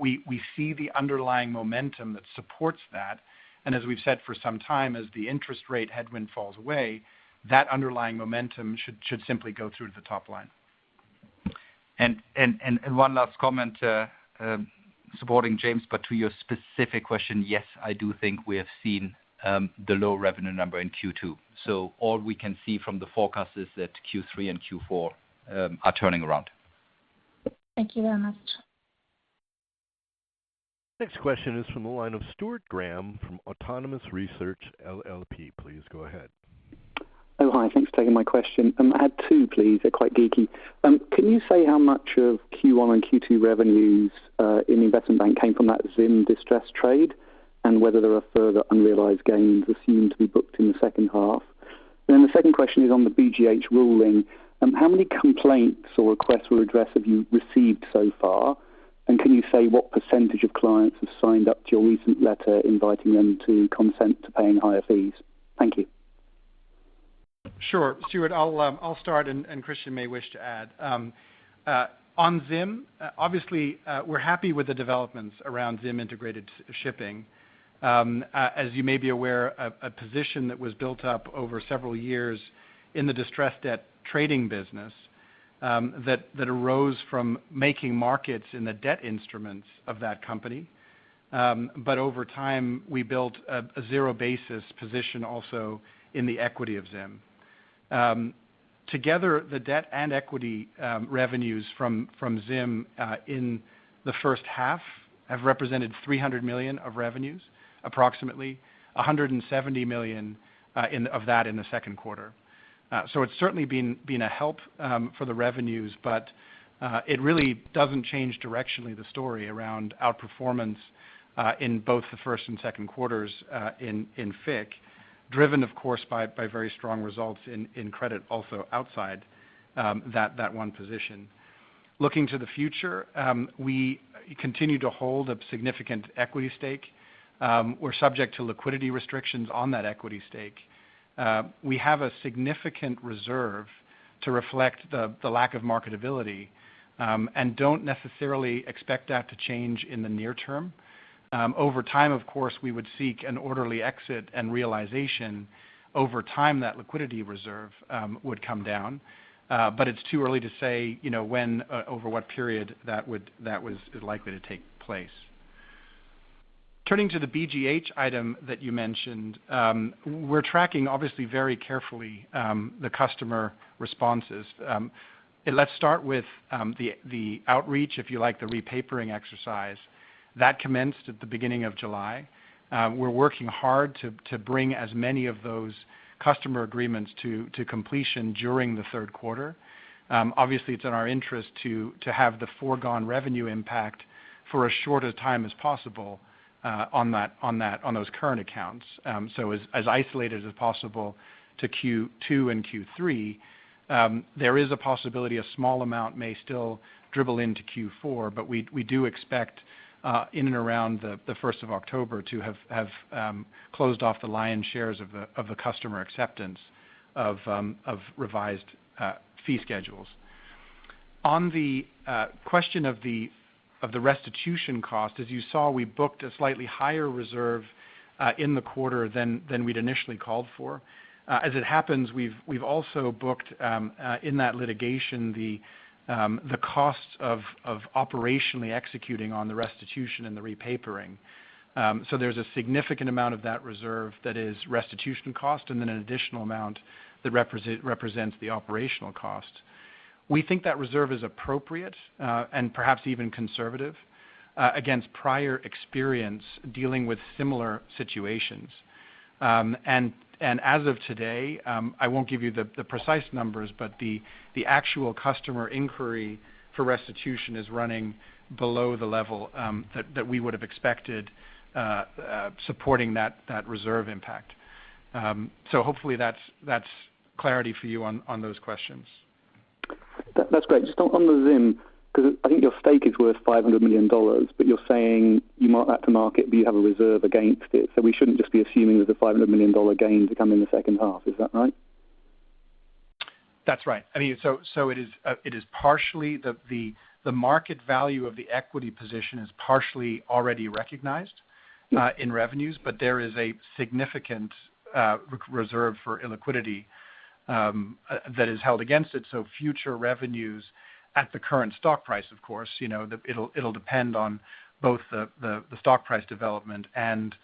We see the underlying momentum that supports that. As we've said for some time, as the interest rate headwind falls away, that underlying momentum should simply go through to the top line. One last comment supporting James, but to your specific question, yes, I do think we have seen the low revenue number in Q2. All we can see from the forecast is that Q3 and Q4 are turning around. Thank you very much. Next question is from the line of Stuart Graham from Autonomous Research LLP. Please go ahead. Oh, hi. Thanks for taking my question. I had two, please. They're quite geeky. Can you say how much of Q1 and Q2 revenues in the Investment Bank came from that Zim distressed trade, and whether there are further unrealized gains assumed to be booked in the second half? The second question is on the BGH ruling. How many complaints or requests or redress have you received so far? Can you say what % of clients have signed up to your recent letter inviting them to consent to paying higher fees? Thank you. Sure. Stuart, I'll start, and Christian may wish to add. On Zim, obviously, we're happy with the developments around Zim Integrated Shipping. As you may be aware, a position that was built up over several years in the distressed debt trading business that arose from making markets in the debt instruments of that company. Over time, we built a zero-basis position also in the equity of Zim. Together, the debt and equity revenues from Zim in the first half have represented 300 million of revenues, approximately 170 million of that in the second quarter. It's certainly been a help for the revenues, but it really doesn't change directionally the story around outperformance in both the first and second quarters in FIC, driven, of course, by very strong results in credit also outside that one position. Looking to the future, we continue to hold a significant equity stake. We're subject to liquidity restrictions on that equity stake. We have a significant reserve to reflect the lack of marketability and don't necessarily expect that to change in the near term. Over time, of course, we would seek an orderly exit and realization. Over time, that liquidity reserve would come down, but it's too early to say when, over what period that is likely to take place. Turning to the BGH item that you mentioned, we're tracking obviously very carefully the customer responses. Let's start with the outreach, if you like, the repapering exercise. That commenced at the beginning of July. We're working hard to bring as many of those customer agreements to completion during the third quarter. Obviously, it's in our interest to have the foregone revenue impact for as short a time as possible on those current accounts, so as isolated as possible to Q2 and Q3. There is a possibility a small amount may still dribble into Q4. We do expect in and around the first of October to have closed off the lion's shares of the customer acceptance of revised fee schedules. On the question of the restitution cost, as you saw, we booked a slightly higher reserve in the quarter than we'd initially called for. As it happens, we've also booked in that litigation the costs of operationally executing on the restitution and the repapering. There's a significant amount of that reserve that is restitution cost, and then an additional amount that represents the operational cost. We think that reserve is appropriate, and perhaps even conservative against prior experience dealing with similar situations. As of today, I won't give you the precise numbers, but the actual customer inquiry for restitution is running below the level that we would have expected supporting that reserve impact. Hopefully that's clarity for you on those questions. That's great. Just on the Zim, because I think your stake is worth EUR 500 million, but you're saying you mark that to market, but you have a reserve against it, so we shouldn't just be assuming there's a EUR 500 million gain to come in the second half. Is that right? That's right. The market value of the equity position is partially already recognized in revenues, but there is a significant reserve for illiquidity that is held against it, so future revenues at the current stock price, of course, it'll depend on both the stock price development and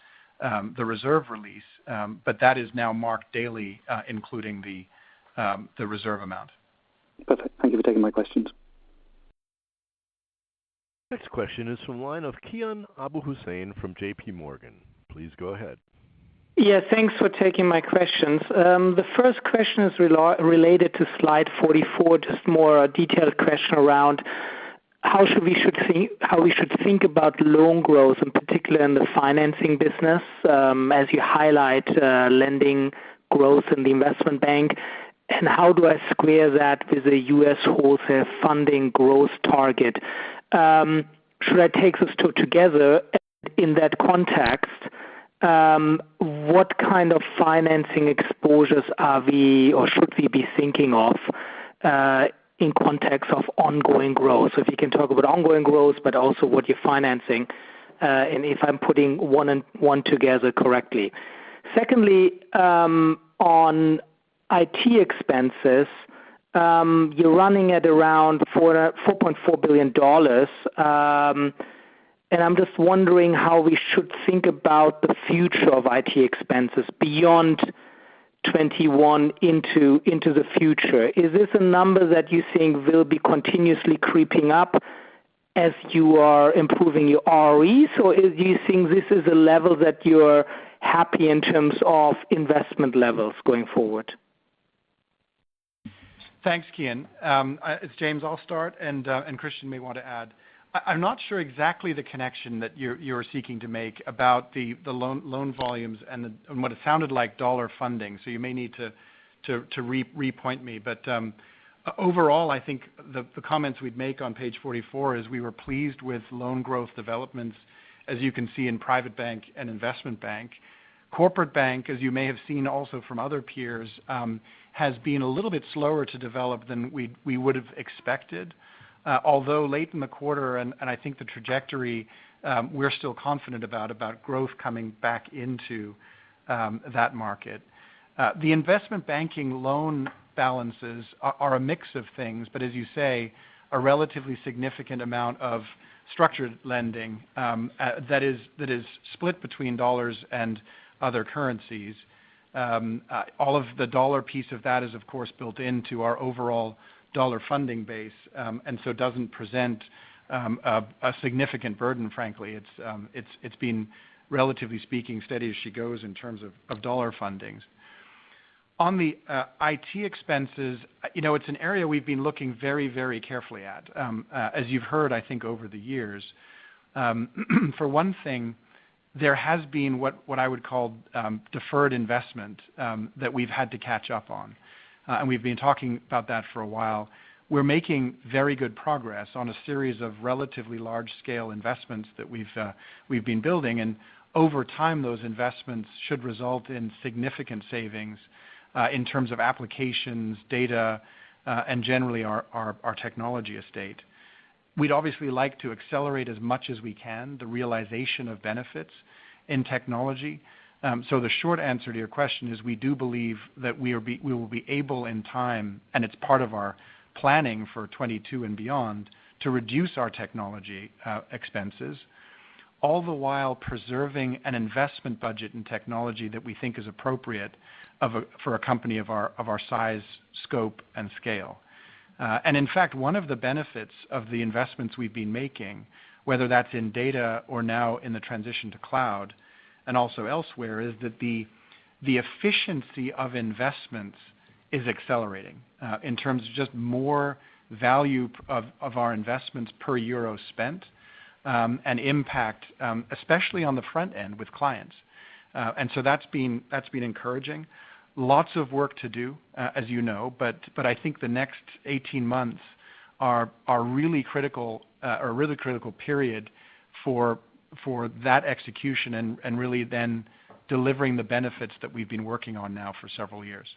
the reserve release. That is now marked daily, including the reserve amount. Perfect. Thank you for taking my questions. Next question is from the line of Kian Abouhossein from JPMorgan. Please go ahead. Yeah. Thanks for taking my questions. The first question is related to slide 44, just more a detailed question around how we should think about loan growth, in particular in the financing business, as you highlight lending growth in the Investment Bank. How do I square that with the U.S. wholesale funding growth target? Should I take those two together? In that context, what kind of financing exposures are we or should we be thinking of in context of ongoing growth? If you can talk about ongoing growth, but also what you're financing, if I'm putting 1 and 1 together correctly. Secondly, on IT expenses, you're running at around EUR 4.4 billion. I'm just wondering how we should think about the future of IT expenses beyond 2021 into the future. Is this a number that you think will be continuously creeping up as you are improving your ROEs, or do you think this is a level that you're happy in terms of investment levels going forward? Thanks, Kian, it's James. I'll start, and Christian may want to add. I'm not sure exactly the connection that you're seeking to make about the loan volumes and what it sounded like dollar funding, so you may need to repoint me. Overall, I think the comments we'd make on page 44 is we were pleased with loan growth developments, as you can see in Private Bank and Investment Bank. Corporate Bank, as you may have seen also from other peers, has been a little bit slower to develop than we would've expected. Although late in the quarter, and I think the trajectory, we're still confident about growth coming back into that market. The Investment Banking loan balances are a mix of things, but as you say, a relatively significant amount of structured lending that is split between dollars and other currencies. All of the dollar piece of that is, of course, built into our overall dollar funding base, and so it doesn't present a significant burden, frankly. It's been, relatively speaking, steady as she goes in terms of dollar fundings. On the IT expenses, it's an area we've been looking very carefully at. As you've heard, I think, over the years, for one thing, there has been what I would call deferred investment that we've had to catch up on. We've been talking about that for a while. We're making very good progress on a series of relatively large-scale investments that we've been building, and over time, those investments should result in significant savings in terms of applications, data, and generally our technology estate. We'd obviously like to accelerate as much as we can the realization of benefits in technology. The short answer to your question is we do believe that we will be able in time, and it's part of our planning for 2022 and beyond, to reduce our technology expenses, all the while preserving an investment budget in technology that we think is appropriate for a company of our size, scope, and scale. In fact, one of the benefits of the investments we've been making, whether that's in data or now in the transition to cloud and also elsewhere, is that the efficiency of investments is accelerating in terms of just more value of our investments per EUR spent, and impact, especially on the front end with clients. That's been encouraging. Lots of work to do, as you know, but I think the next 18 months are a really critical period for that execution and really then delivering the benefits that we've been working on now for several years.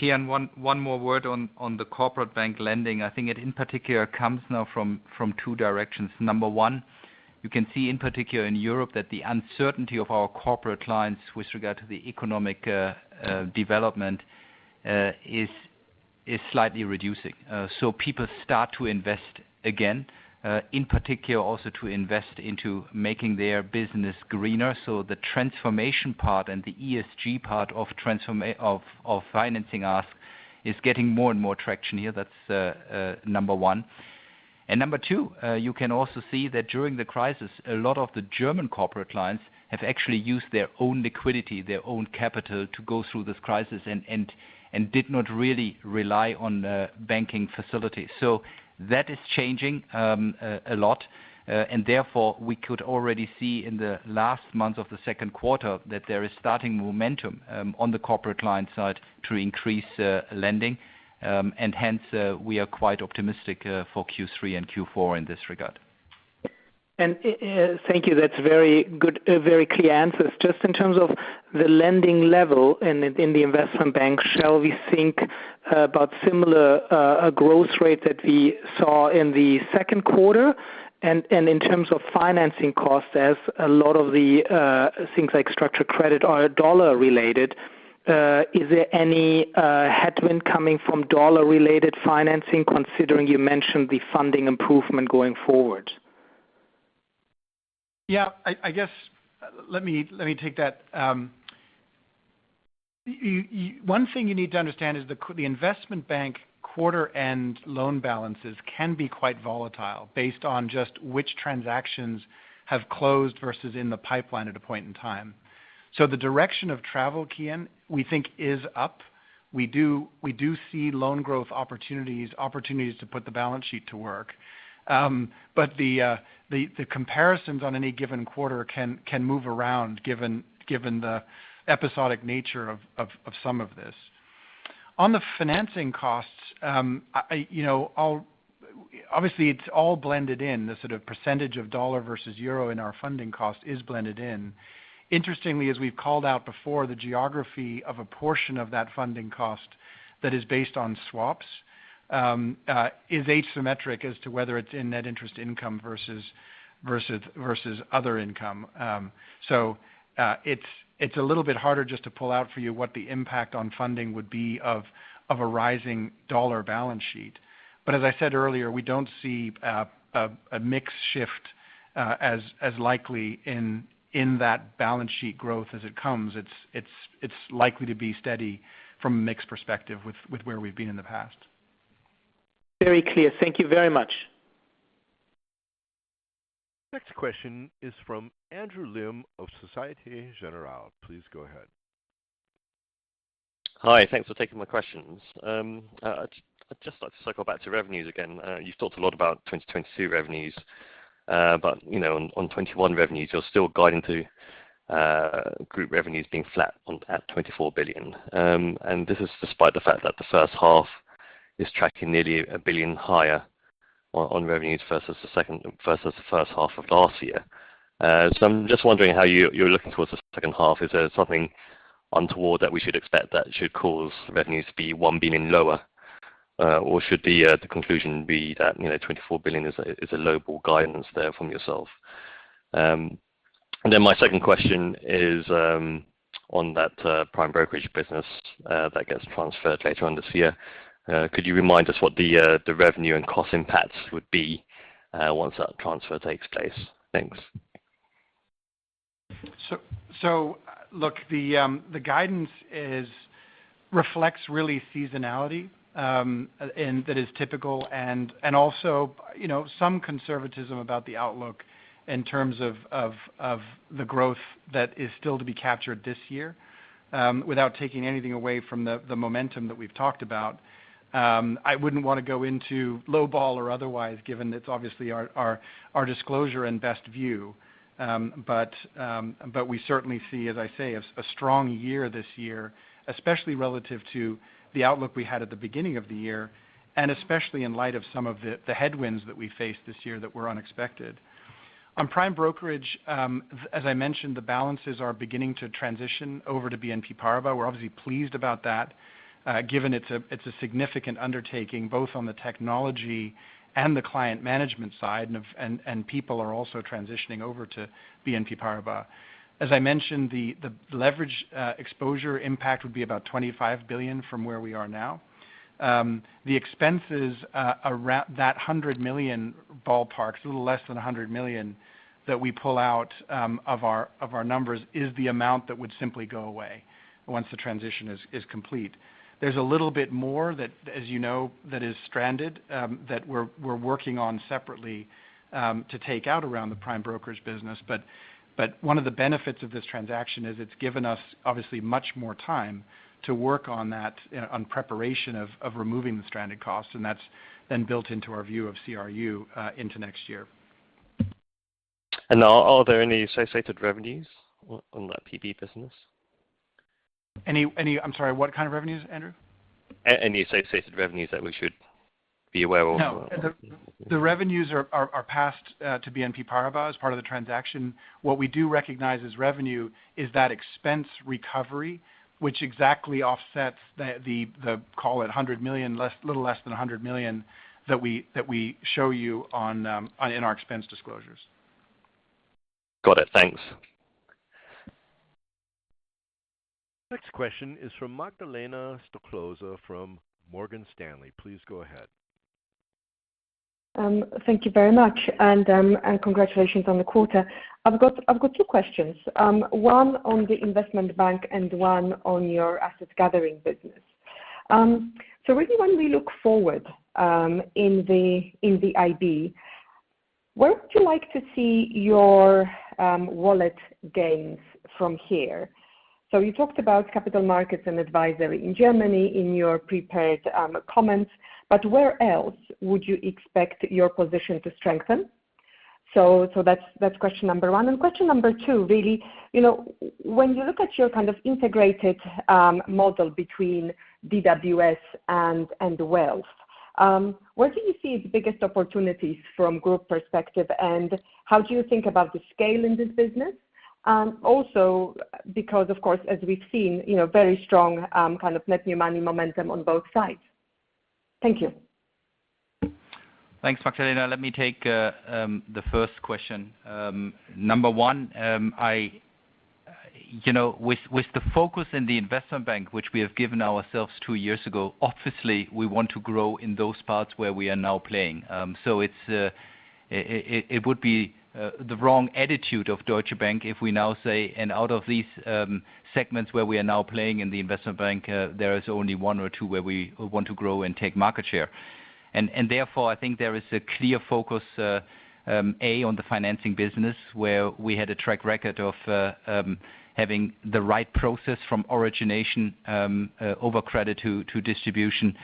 Kian, one more word on the Corporate Bank lending. I think it in particular comes now from two directions. Number one, you can see in particular in Europe that the uncertainty of our corporate clients with regard to the economic development is slightly reducing. People start to invest again, in particular also to invest into making their business greener. The transformation part and the ESG part of financing ask is getting more and more traction here. That's number one. Number two, you can also see that during the crisis, a lot of the German corporate clients have actually used their own liquidity, their own capital to go through this crisis and did not really rely on banking facilities. That is changing a lot. Therefore, we could already see in the last month of the second quarter that there is starting momentum on the corporate client side to increase lending. Hence, we are quite optimistic for Q3 and Q4 in this regard. Thank you, that's very good, very clear answers. Just in terms of the lending level in the Investment Bank, shall we think about similar growth rate that we saw in the second quarter? In terms of financing costs, as a lot of the things like structured credit are dollar-related, is there any headwind coming from dollar-related financing, considering you mentioned the funding improvement going forward? Yeah. Let me take that. One thing you need to understand is the Investment Bank quarter end loan balances can be quite volatile based on just which transactions have closed versus in the pipeline at a point in time. The direction of travel, Kian, we think is up. We do see loan growth opportunities to put the balance sheet to work. The comparisons on any given quarter can move around given the episodic nature of some of this. On the financing costs, obviously it's all blended in, the sort of percentage of dollar versus euro in our funding cost is blended in. Interestingly, as we've called out before, the geography of a portion of that funding cost that is based on swaps, is asymmetric as to whether it's in net interest income versus other income. It's a little bit harder just to pull out for you what the impact on funding would be of a rising dollar balance sheet. But as I said earlier, we don't see a mix shift as likely in that balance sheet growth as it comes. It's likely to be steady from a mix perspective with where we've been in the past. Very clear. Thank you very much. Next question is from Andrew Lim of Societe Generale. Please go ahead. Hi. Thanks for taking my questions. I'd just like to circle back to revenues again. You've talked a lot about 2022 revenues. On 2021 revenues, you're still guiding to group revenues being flat at 24 billion. This is despite the fact that the first half is tracking nearly 1 billion higher on revenues versus the first half of last year. I'm just wondering how you're looking towards the second half. Is there something untoward that we should expect that should cause revenues to be 1 billion lower? Should the conclusion be that 24 billion is a low ball guidance there from yourself? My second question is on that Prime Brokerage business that gets transferred later on this year. Could you remind us what the revenue and cost impacts would be, once that transfer takes place? Thanks. Look, the guidance reflects really seasonality, and that is typical and also some conservatism about the outlook in terms of the growth that is still to be captured this year, without taking anything away from the momentum that we've talked about. I wouldn't want to go into low ball or otherwise, given it's obviously our disclosure and best view. We certainly see, as I say, a strong year this year, especially relative to the outlook we had at the beginning of the year, and especially in light of some of the headwinds that we faced this year that were unexpected. On Prime Brokerage, as I mentioned, the balances are beginning to transition over to BNP Paribas. We're obviously pleased about that, given it's a significant undertaking both on the technology and the client management side, and people are also transitioning over to BNP Paribas. As I mentioned, the leverage exposure impact would be about 25 billion from where we are now. The expenses, that 100 million ballpark, a little less than 100 million that we pull out of our numbers is the amount that would simply go away once the transition is complete. There's a little bit more that, as you know, that is stranded, that we're working on separately, to take out around the Prime Brokerage business. One of the benefits of this transaction is it's given us obviously much more time to work on that, on preparation of removing the stranded costs, and that's then built into our view of CRU into next year. Are there any associated revenues on that PB business? I'm sorry, what kind of revenues, Andrew? Any associated revenues that we should be aware of? No. The revenues are passed to BNP Paribas as part of the transaction. What we do recognize as revenue is that expense recovery, which exactly offsets the, call it 100 million, little less than 100 million that we show you in our expense disclosures. Got it. Thanks. Next question is from Magdalena Stoklosa from Morgan Stanley. Please go ahead. Thank you very much, and congratulations on the quarter. I've got two questions. One on the Investment Bank and one on your asset gathering business. Really when we look forward, in the IB, where would you like to see your wallet gains from here? You talked about capital markets and advisory in Germany in your prepared comments, but where else would you expect your position to strengthen? That's question number one. Question number two, really, when you look at your kind of integrated model between DWS and wealth. Where do you see the biggest opportunities from group perspective, and how do you think about the scale in this business? Also because, of course, as we've seen, very strong net new money momentum on both sides. Thank you. Thanks, Magdalena. Let me take the first question. Number one, with the focus in the Investment Bank, which we have given ourselves two years ago, obviously we want to grow in those parts where we are now playing. It would be the wrong attitude of Deutsche Bank if we now say, out of these segments where we are now playing in the Investment Bank, there is only one or two where we want to grow and take market share. Therefore, I think there is a clear focus, A, on the financing business, where we had a track record of having the right process from origination over credit to distribution.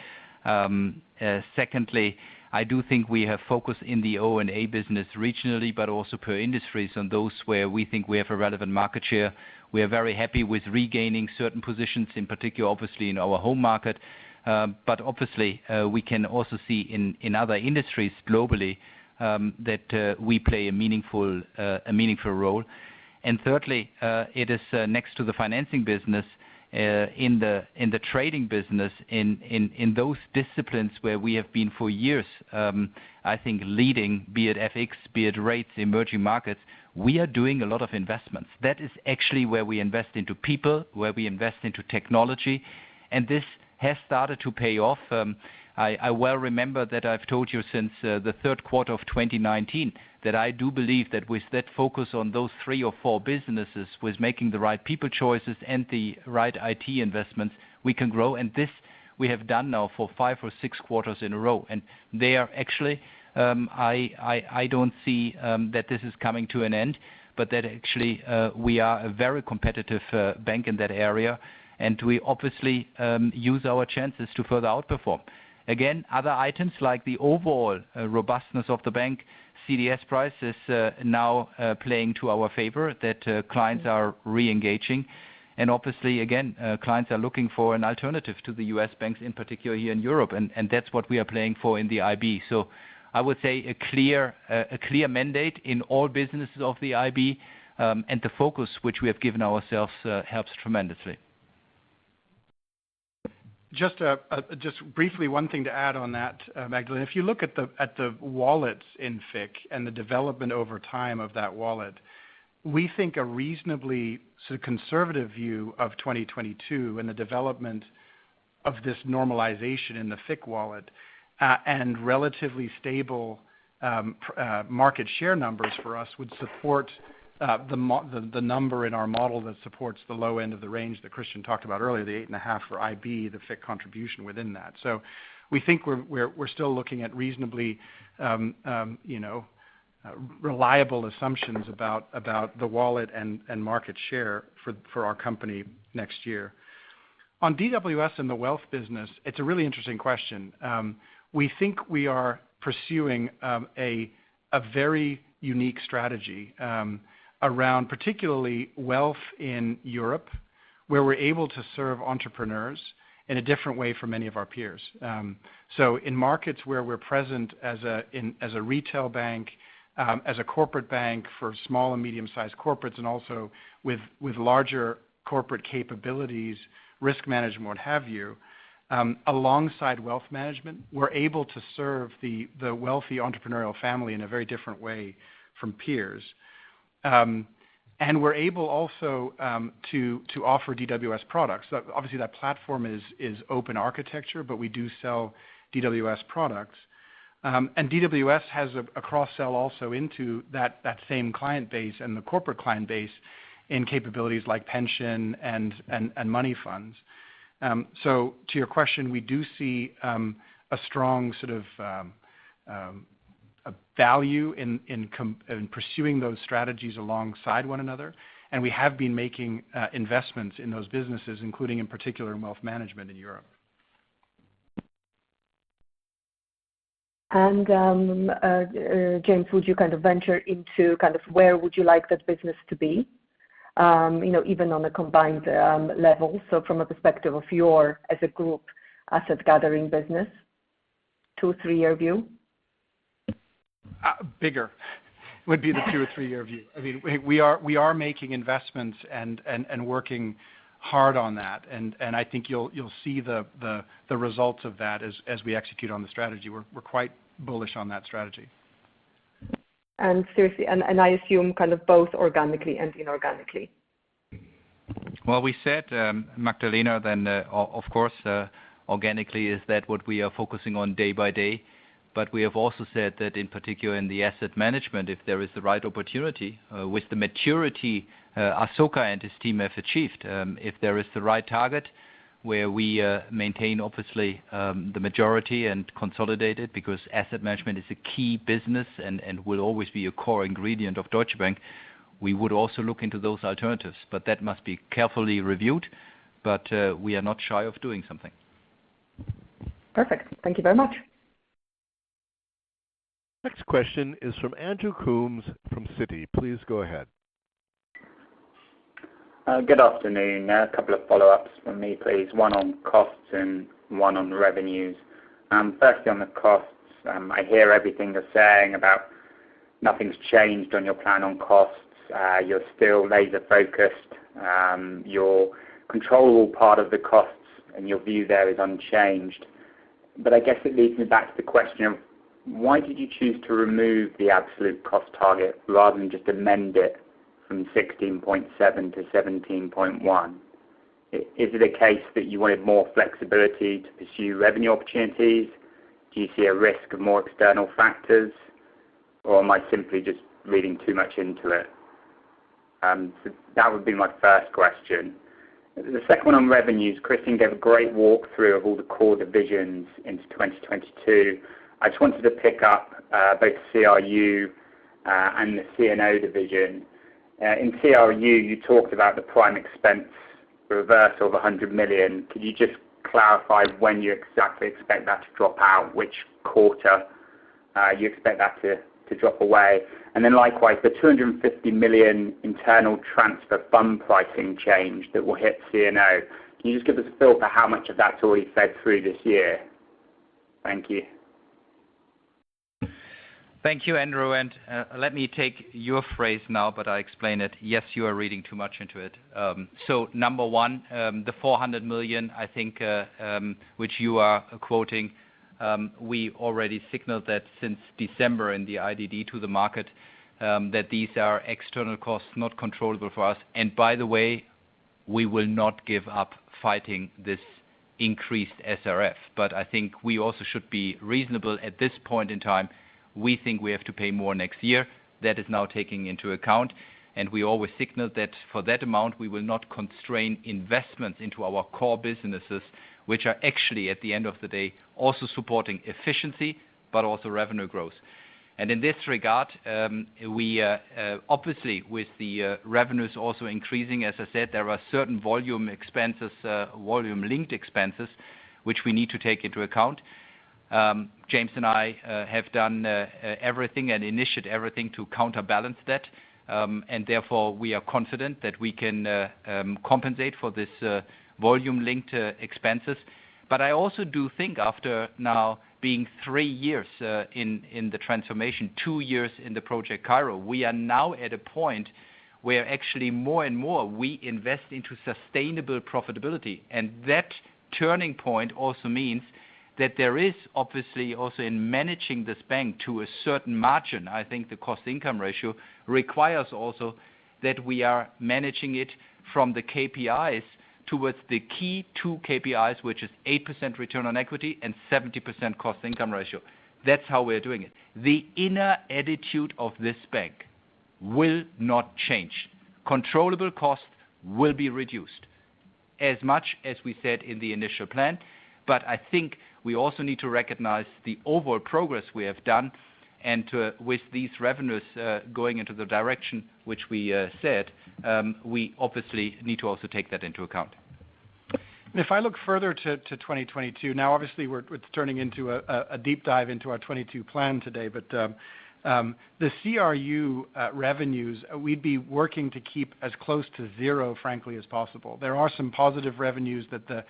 Secondly, I do think we have focus in the O&A business regionally, but also per industry. On those where we think we have a relevant market share, we are very happy with regaining certain positions, in particular, obviously in our home market. Obviously, we can also see in other industries globally, that we play a meaningful role. Thirdly, it is next to the financing business in the trading business, in those disciplines where we have been for years, I think leading, be it FX, be it rates, emerging markets. We are doing a lot of investments. That is actually where we invest into people, where we invest into technology, and this has started to pay off. I well remember that I've told you since the third quarter of 2019 that I do believe that with that focus on those three or four businesses, with making the right people choices and the right IT investments, we can grow. This we have done now for five or six quarters in a row. They are actually, I don't see that this is coming to an end, but that actually we are a very competitive bank in that area, and we obviously use our chances to further outperform. Again, other items like the overall robustness of the bank, CDS price is now playing to our favor that clients are reengaging. Obviously again, clients are looking for an alternative to the U.S. banks, in particular here in Europe, and that's what we are playing for in the IB. I would say a clear mandate in all businesses of the IB, and the focus which we have given ourselves helps tremendously. Just briefly, one thing to add on that, Magdalena. If you look at the wallets in FICC and the development over time of that wallet, we think a reasonably conservative view of 2022 and the development of this normalization in the FICC wallet, and relatively stable market share numbers for us would support the number in our model that supports the low end of the range that Christian talked about earlier, the 8.5 for IB, the FICC contribution within that. We think we're still looking at reasonably reliable assumptions about the wallet and market share for our company next year. On DWS and the wealth business, it's a really interesting question. We think we are pursuing a very unique strategy around particularly wealth in Europe, where we're able to serve entrepreneurs in a different way from many of our peers. In markets where we're present as a retail bank, as a corporate bank for small and medium-sized corporates, and also with larger corporate capabilities, risk management, what have you, alongside wealth management, we're able to serve the wealthy entrepreneurial family in a very different way from peers. We're able also to offer DWS products. Obviously, that platform is open architecture, but we do sell DWS products. DWS has a cross-sell also into that same client base and the corporate client base in capabilities like pension and money funds. To your question, we do see a strong sort of value in pursuing those strategies alongside one another, and we have been making investments in those businesses, including, in particular, wealth management in Europe. James, would you venture into where would you like that business to be, even on a combined level, so from a perspective of your as a group asset gathering business, two, three-year view? Bigger would be the two or three-year view. We are making investments and working hard on that, and I think you'll see the results of that as we execute on the strategy. We're quite bullish on that strategy. Seriously, and I assume both organically and inorganically. Well, we said, Magdalena, of course, organically is that what we are focusing on day by day. We have also said that in particular in the Asset Management, if there is the right opportunity with the maturity Asoka and his team have achieved, if there is the right target, where we maintain obviously, the majority and consolidate it because Asset Management is a key business and will always be a core ingredient of Deutsche Bank, we would also look into those alternatives, but that must be carefully reviewed. We are not shy of doing something. Perfect. Thank you very much. Next question is from Andrew Coombs from Citi. Please go ahead. Good afternoon. A couple of follow-ups from me, please. One on costs, and one on revenues. Firstly on the costs, I hear everything you're saying about nothing's changed on your plan on costs. You're still laser-focused. Your controllable part of the costs and your view there is unchanged. I guess it leads me back to the question of why did you choose to remove the absolute cost target rather than just amend it from 16.7 to 17.1? Is it a case that you wanted more flexibility to pursue revenue opportunities? Do you see a risk of more external factors, or am I simply just reading too much into it? That would be my first question. The second one on revenues, Christian gave a great walkthrough of all the core divisions into 2022. I just wanted to pick up both CRU and the C&O division. In CRU, you talked about the prime expense reversal of 100 million. Could you just clarify when you exactly expect that to drop out, which quarter you expect that to drop away? Likewise, the 250 million internal transfer fund pricing change that will hit C&O. Can you just give us a feel for how much of that's already fed through this year? Thank you. Thank you, Andrew, and let me take your phrase now, but I explain it. Yes, you are reading too much into it. Number one, the 400 million, I think, which you are quoting, we already signaled that since December in the IDD to the market, that these are external costs not controllable for us. By the way, we will not give up fighting this increased SRF. I think we also should be reasonable at this point in time. We think we have to pay more next year. That is now taking into account. We always signal that for that amount, we will not constrain investments into our core businesses, which are actually, at the end of the day, also supporting efficiency, but also revenue growth. In this regard, obviously with the revenues also increasing, as I said, there are certain volume-linked expenses which we need to take into account. James and I have done everything and initiated everything to counterbalance that. Therefore, we are confident that we can compensate for this volume-linked expenses. I also do think after now being three years in the transformation, two years in the Project Cairo, we are now at a point where actually more and more we invest into sustainable profitability. That turning point also means that there is obviously also in managing this bank to a certain margin, I think the cost-income ratio requires also that we are managing it from the KPIs towards the key two KPIs, which is 8% return on equity and 70% cost-income ratio. That's how we're doing it. The inner attitude of this bank will not change. Controllable costs will be reduced as much as we said in the initial plan. I think we also need to recognize the overall progress we have done and with these revenues going into the direction which we said, we obviously need to also take that into account. If I look further to 2022, now obviously it is turning into an Investor Deep Dive into our 2022 plan today. The CRU revenues we would be working to keep as close to zero, frankly, as possible. There are some positive revenues that the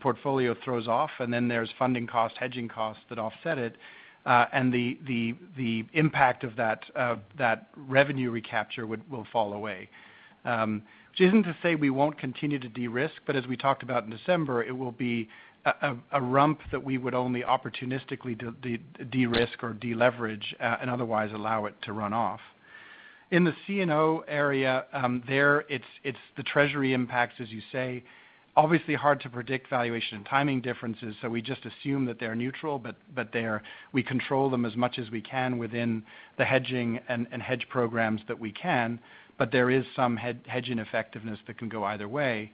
portfolio throws off, and then there is funding cost, hedging costs that offset it. The impact of that revenue recapture will fall away, which is not to say we will not continue to de-risk, but as we talked about in December, it will be a rump that we would only opportunistically de-risk or de-leverage and otherwise allow it to run off. In the C&O area, there it's the treasury impacts, as you say, obviously hard to predict valuation and timing differences, so we just assume that they're neutral, but we control them as much as we can within the hedging and hedge programs that we can, but there is some hedge ineffectiveness that can go either way.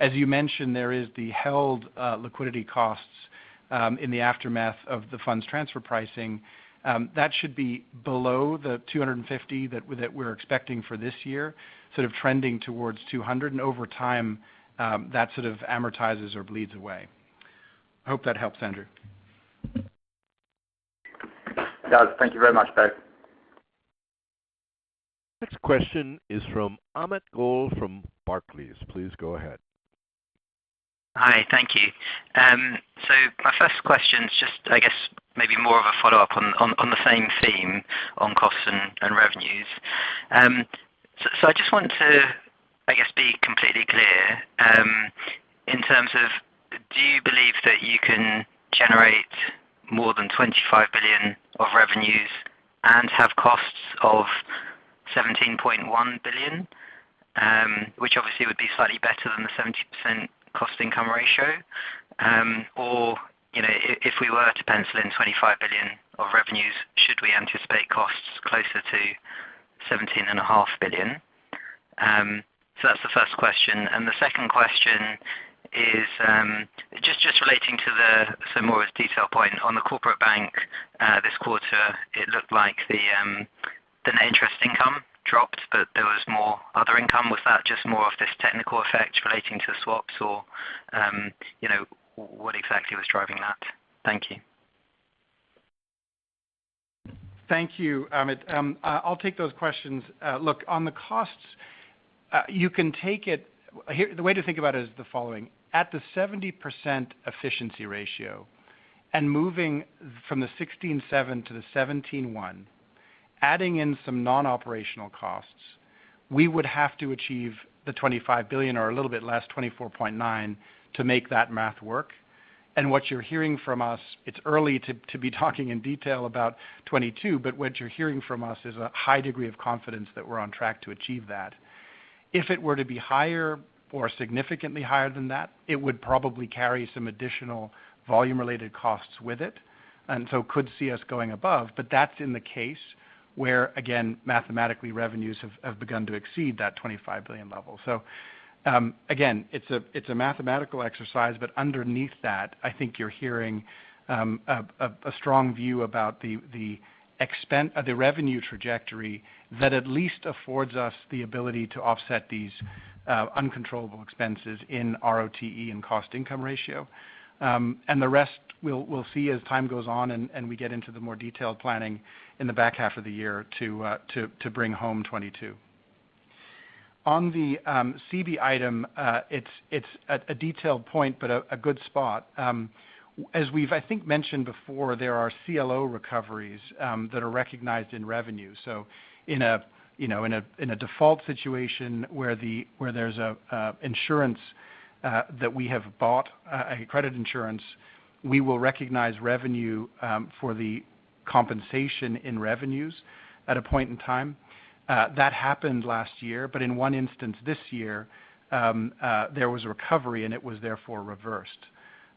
As you mentioned, there is the held liquidity costs in the aftermath of the funds transfer pricing. That should be below the 250 that we're expecting for this year, sort of trending towards 200, and over time, that sort of amortizes or bleeds away. I hope that helps, Andrew. It does. Thank you very much, both. Next question is from Amit Goel from Barclays. Please go ahead. Hi, thank you. My first question is just, I guess maybe more of a follow-up on the same theme on costs and revenues. I just want to, I guess, be completely clear in terms of do you believe that you can generate more than 25 billion of revenues and have costs of 17.1 billion, which obviously would be slightly better than the 70% cost-income ratio? If we were to pencil in 25 billion of revenues, should we anticipate costs closer to 17.5 billion? That's the first question. The second question is just relating to the similar detail point on the Corporate Bank this quarter. It looked like the net interest income dropped, but there was more other income. Was that just more of this technical effect relating to the swaps or what exactly was driving that? Thank you. Thank you, Amit. I'll take those questions. Look, on the costs, the way to think about it is the following. At the 70% efficiency ratio and moving from the 16.7 to the 17.1, adding in some non-operational costs, we would have to achieve the 25 billion or a little bit less, 24.9, to make that math work. What you're hearing from us, it's early to be talking in detail about 2022, but what you're hearing from us is a high degree of confidence that we're on track to achieve that. If it were to be higher or significantly higher than that, it would probably carry some additional volume-related costs with it, and so could see us going above. That's in the case where, again, mathematically, revenues have begun to exceed that 25 billion level. Again, it's a mathematical exercise, but underneath that, I think you're hearing a strong view about the revenue trajectory that at least affords us the ability to offset these uncontrollable expenses in ROTE and cost-income ratio. The rest, we'll see as time goes on and we get into the more detailed planning in the back half of the year to bring home 2022. On the CB item, it's a detailed point, but a good spot. As we've, I think, mentioned before, there are CLO recoveries that are recognized in revenue. In a default situation where there's an insurance that we have bought, a credit insurance, we will recognize revenue for the compensation in revenues at a point in time. That happened last year, but in one instance this year, there was a recovery, it was therefore reversed.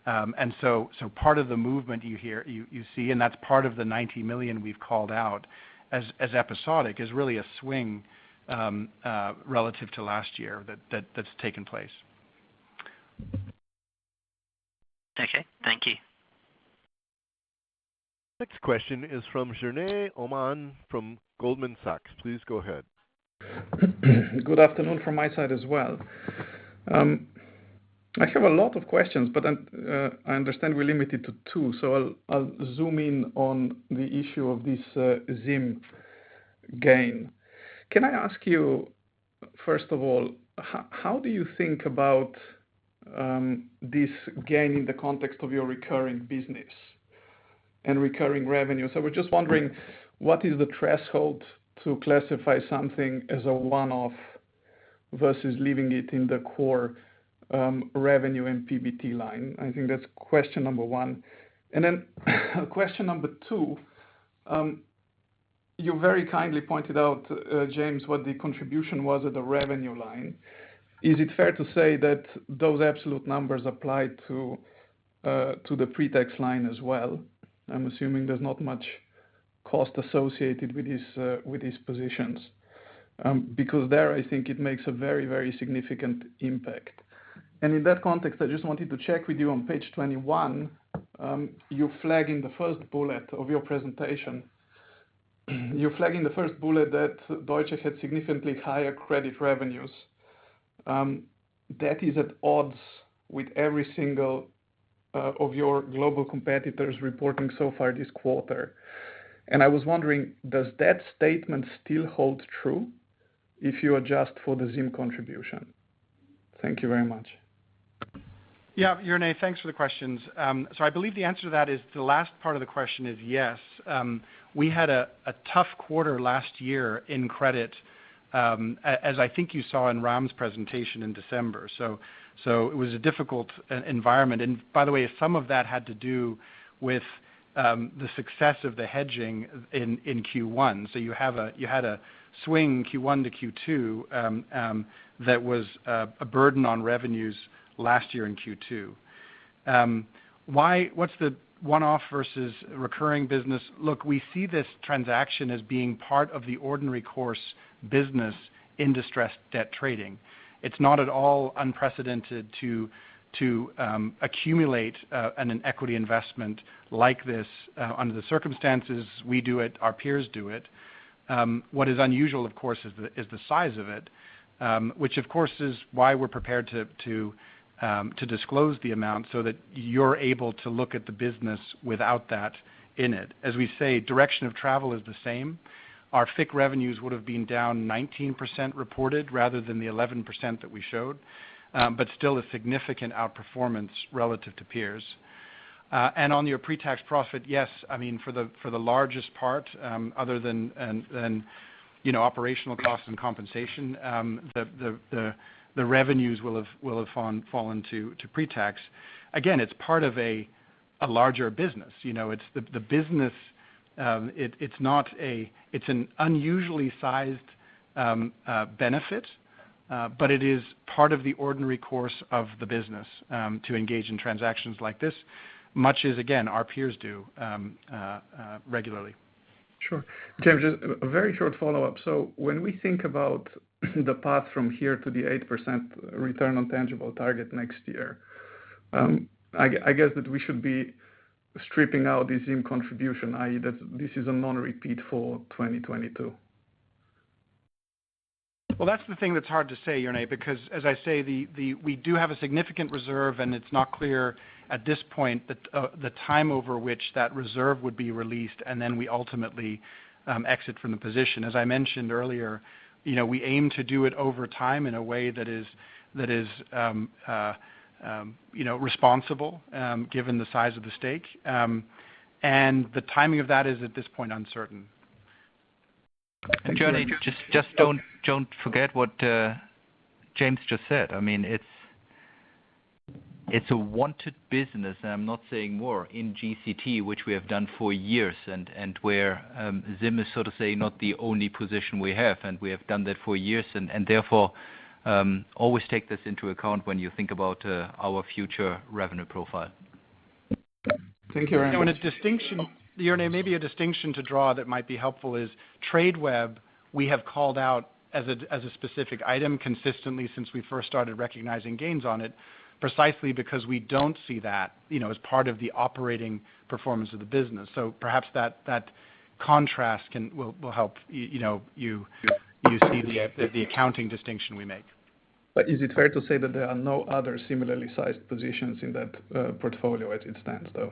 Part of the movement you see, and that's part of the 90 million we've called out as episodic, is really a swing relative to last year that's taken place. Okay. Thank you. Next question is from Jernej Omahen from Goldman Sachs. Please go ahead. Good afternoon from my side as well. I have a lot of questions. I understand we're limited to two, so I'll zoom in on the issue of this Zim gain. Can I ask you, first of all, how do you think about this gain in the context of your recurring business and recurring revenue? I was just wondering, what is the threshold to classify something as a one-off versus leaving it in the core revenue and PBT line? I think that's question number one. Question number two, you very kindly pointed out, James, what the contribution was at the revenue line. Is it fair to say that those absolute numbers apply to the pre-tax line as well? I'm assuming there's not much cost associated with these positions. There, I think it makes a very significant impact. In that context, I just wanted to check with you on page 21, you're flagging the first bullet of your presentation. You're flagging the first bullet that Deutsche had significantly higher credit revenues. That is at odds with every single of your global competitors reporting so far this quarter. I was wondering, does that statement still hold true if you adjust for the Zim contribution? Thank you very much. Yeah, Jernej, thanks for the questions. I believe the answer to that is, the last part of the question is, yes. We had a tough quarter last year in credit, as I think you saw in Ram's presentation in December. It was a difficult environment. By the way, some of that had to do with the success of the hedging in Q1. You had a swing Q1 to Q2 that was a burden on revenues last year in Q2. What's the one-off versus recurring business? Look, we see this transaction as being part of the ordinary course business in distressed debt trading. It's not at all unprecedented to accumulate an equity investment like this under the circumstances. We do it, our peers do it. What is unusual of course, is the size of it, which of course is why we're prepared to disclose the amount so that you're able to look at the business without that in it. As we say, direction of travel is the same. Our FICC revenues would have been down 19% reported rather than the 11% that we showed. Still a significant outperformance relative to peers. On your pre-tax profit, yes, for the largest part, other than operational costs and compensation, the revenues will have fallen to pre-tax. Again, it's part of a larger business. It's an unusually sized benefit, but it is part of the ordinary course of the business to engage in transactions like this, much as, again, our peers do regularly. Sure. James, just a very short follow-up. When we think about the path from here to the 8% return on tangible target next year, I guess that we should be stripping out the Zim contribution, i.e., that this is a non-repeat for 2022? Well, that's the thing that's hard to say, Jernej, because as I say, we do have a significant reserve, and it's not clear at this point the time over which that reserve would be released, and then we ultimately exit from the position. As I mentioned earlier, we aim to do it over time in a way that is responsible, given the size of the stake. The timing of that is at this point, uncertain. Jernej Just don't forget what James just said. It's a wanted business, and I'm not saying more in GCT, which we have done for years, and where Zim is not the only position we have, and we have done that for years. Therefore, always take this into account when you think about our future revenue profile. Thank you very much. Jernej, maybe a distinction to draw that might be helpful is Tradeweb, we have called out as a specific item consistently since we first started recognizing gains on it, precisely because we don't see that as part of the operating performance of the business. Perhaps that contrast will help you see the accounting distinction we make. Is it fair to say that there are no other similarly sized positions in that portfolio as it stands, though?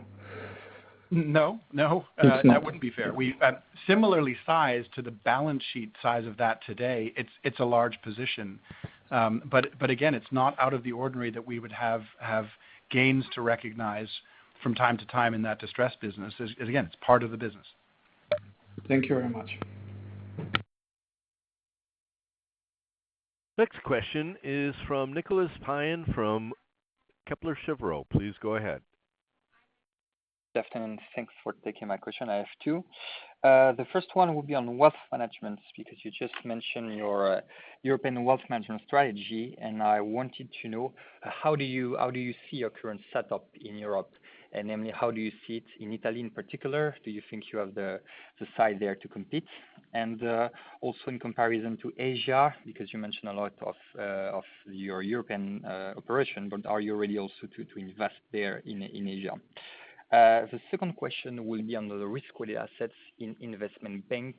No. It's not. That wouldn't be fair. Similarly sized to the balance sheet size of that today, it's a large position. Again, it's not out of the ordinary that we would have gains to recognize from time to time in that distressed business. Again, it's part of the business. Thank you very much. Next question is from Nicolas Payen from Kepler Cheuvreux. Please go ahead. Good afternoon. Thanks for taking my question, I have two. The first one will be on Wealth Management, because you just mentioned your European Wealth Management strategy, and I wanted to know, how do you see your current setup in Europe? How do you see it in Italy in particular? Do you think you have the size there to compete? Also in comparison to Asia, because you mentioned a lot of your European operation, but are you ready also to invest there in Asia? The second question will be on the risk-weighted assets in Investment Bank.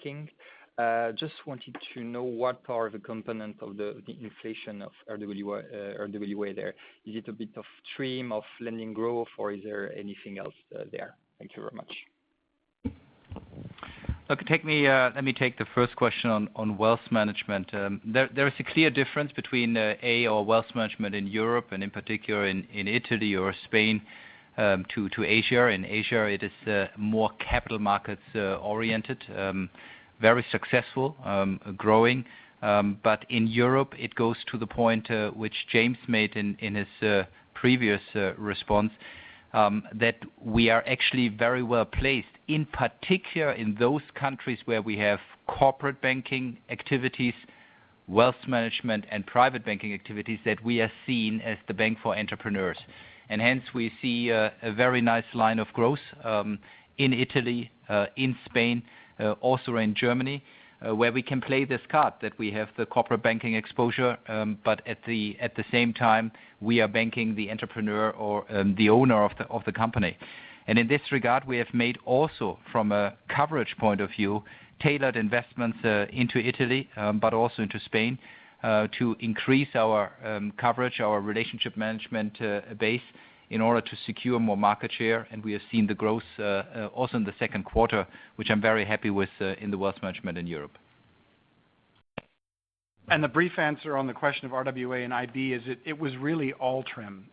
Just wanted to know what are the components of the inflation of RWA there. Is it a bit of TRIM, of lending growth, or is there anything else there? Thank you very much. Okay. Let me take the first question on Wealth Management. There is a clear difference between A, our Wealth Management in Europe, and in particular, in Italy or Spain, to Asia. In Asia, it is more capital markets oriented, very successful, growing, but in Europe, it goes to the point which James made in his previous response, that we are actually very well-placed, in particular, in those countries where we have Corporate Bank activities, Wealth Management, and Private Bank activities, that we are seen as the bank for entrepreneurs. Hence, we see a very nice line of growth in Italy, in Spain, also in Germany, where we can play this card that we have the Corporate Bank exposure. At the same time, we are banking the entrepreneur or the owner of the company. In this regard, we have made also from a coverage point of view, tailored investments into Italy, but also into Spain, to increase our coverage, our relationship management base in order to secure more market share. We have seen the growth also in the second quarter, which I am very happy with in the Wealth Management in Europe. The brief answer on the question of RWA and IB is it was really all TRIM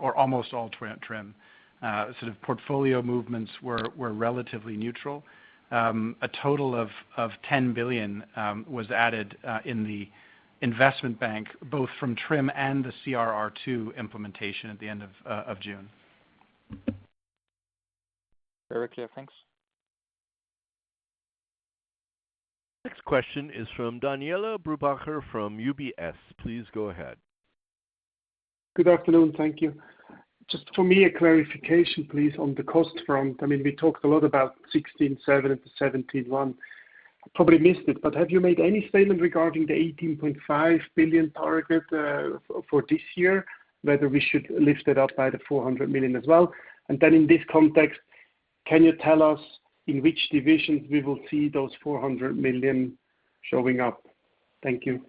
or almost all TRIM. Sort of portfolio movements were relatively neutral. A total of 10 billion was added in the Investment Bank, both from TRIM and the CRR2 implementation at the end of June. Very clear. Thanks. Next question is from Daniele Brupbacher from UBS. Please go ahead. Good afternoon. Thank you. Just for me, a clarification, please, on the cost front. We talked a lot about 16.7 billion and 17.1 billion. Probably missed it, have you made any statement regarding the 18.5 billion target for this year, whether we should lift it up by the 400 million as well? In this context, can you tell us in which divisions we will see those 400 million showing up? Thank you.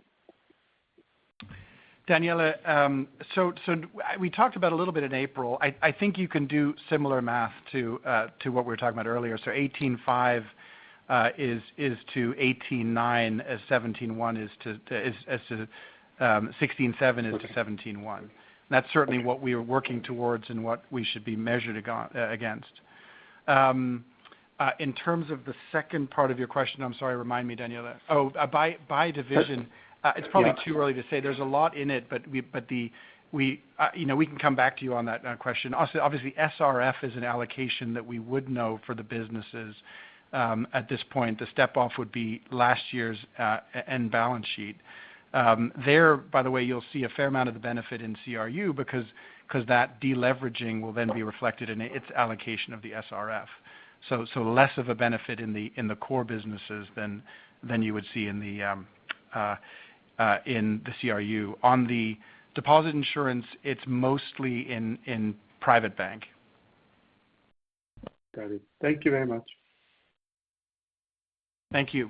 Daniele, we talked about a little bit in April. I think you can do similar math to what we were talking about earlier. 18.5 is to 18.9 as 16.7 is to 17.1. Okay. That's certainly what we are working towards and what we should be measured against. In terms of the second part of your question, I'm sorry, remind me, Daniele Brupbacher. Oh, by division. Yeah It's probably too early to say. There's a lot in it, but we can come back to you on that question. Obviously, SRF is an allocation that we would know for the businesses at this point. The step-off would be last year's end balance sheet. There, by the way, you'll see a fair amount of the benefit in CRU because that de-leveraging will then be reflected in its allocation of the SRF. Less of a benefit in the core businesses than you would see in the CRU. On the deposit insurance, it's mostly in Private Bank. Got it. Thank you very much. Thank you.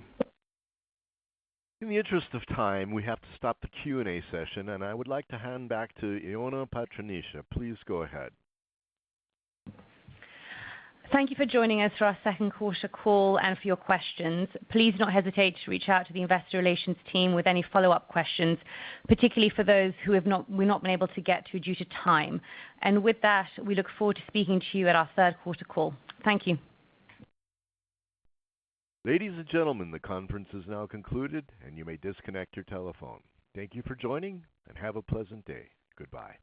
In the interest of time, we have to stop the Q&A session, and I would like to hand back to Ioana Patriniche. Please go ahead. Thank you for joining us for our second quarter call and for your questions. Please do not hesitate to reach out to the investor relations team with any follow-up questions, particularly for those who we've not been able to get to due to time. With that, we look forward to speaking to you at our third quarter call. Thank you. Ladies and gentlemen, the conference is now concluded, and you may disconnect your telephone. Thank you for joining, and have a pleasant day. Goodbye.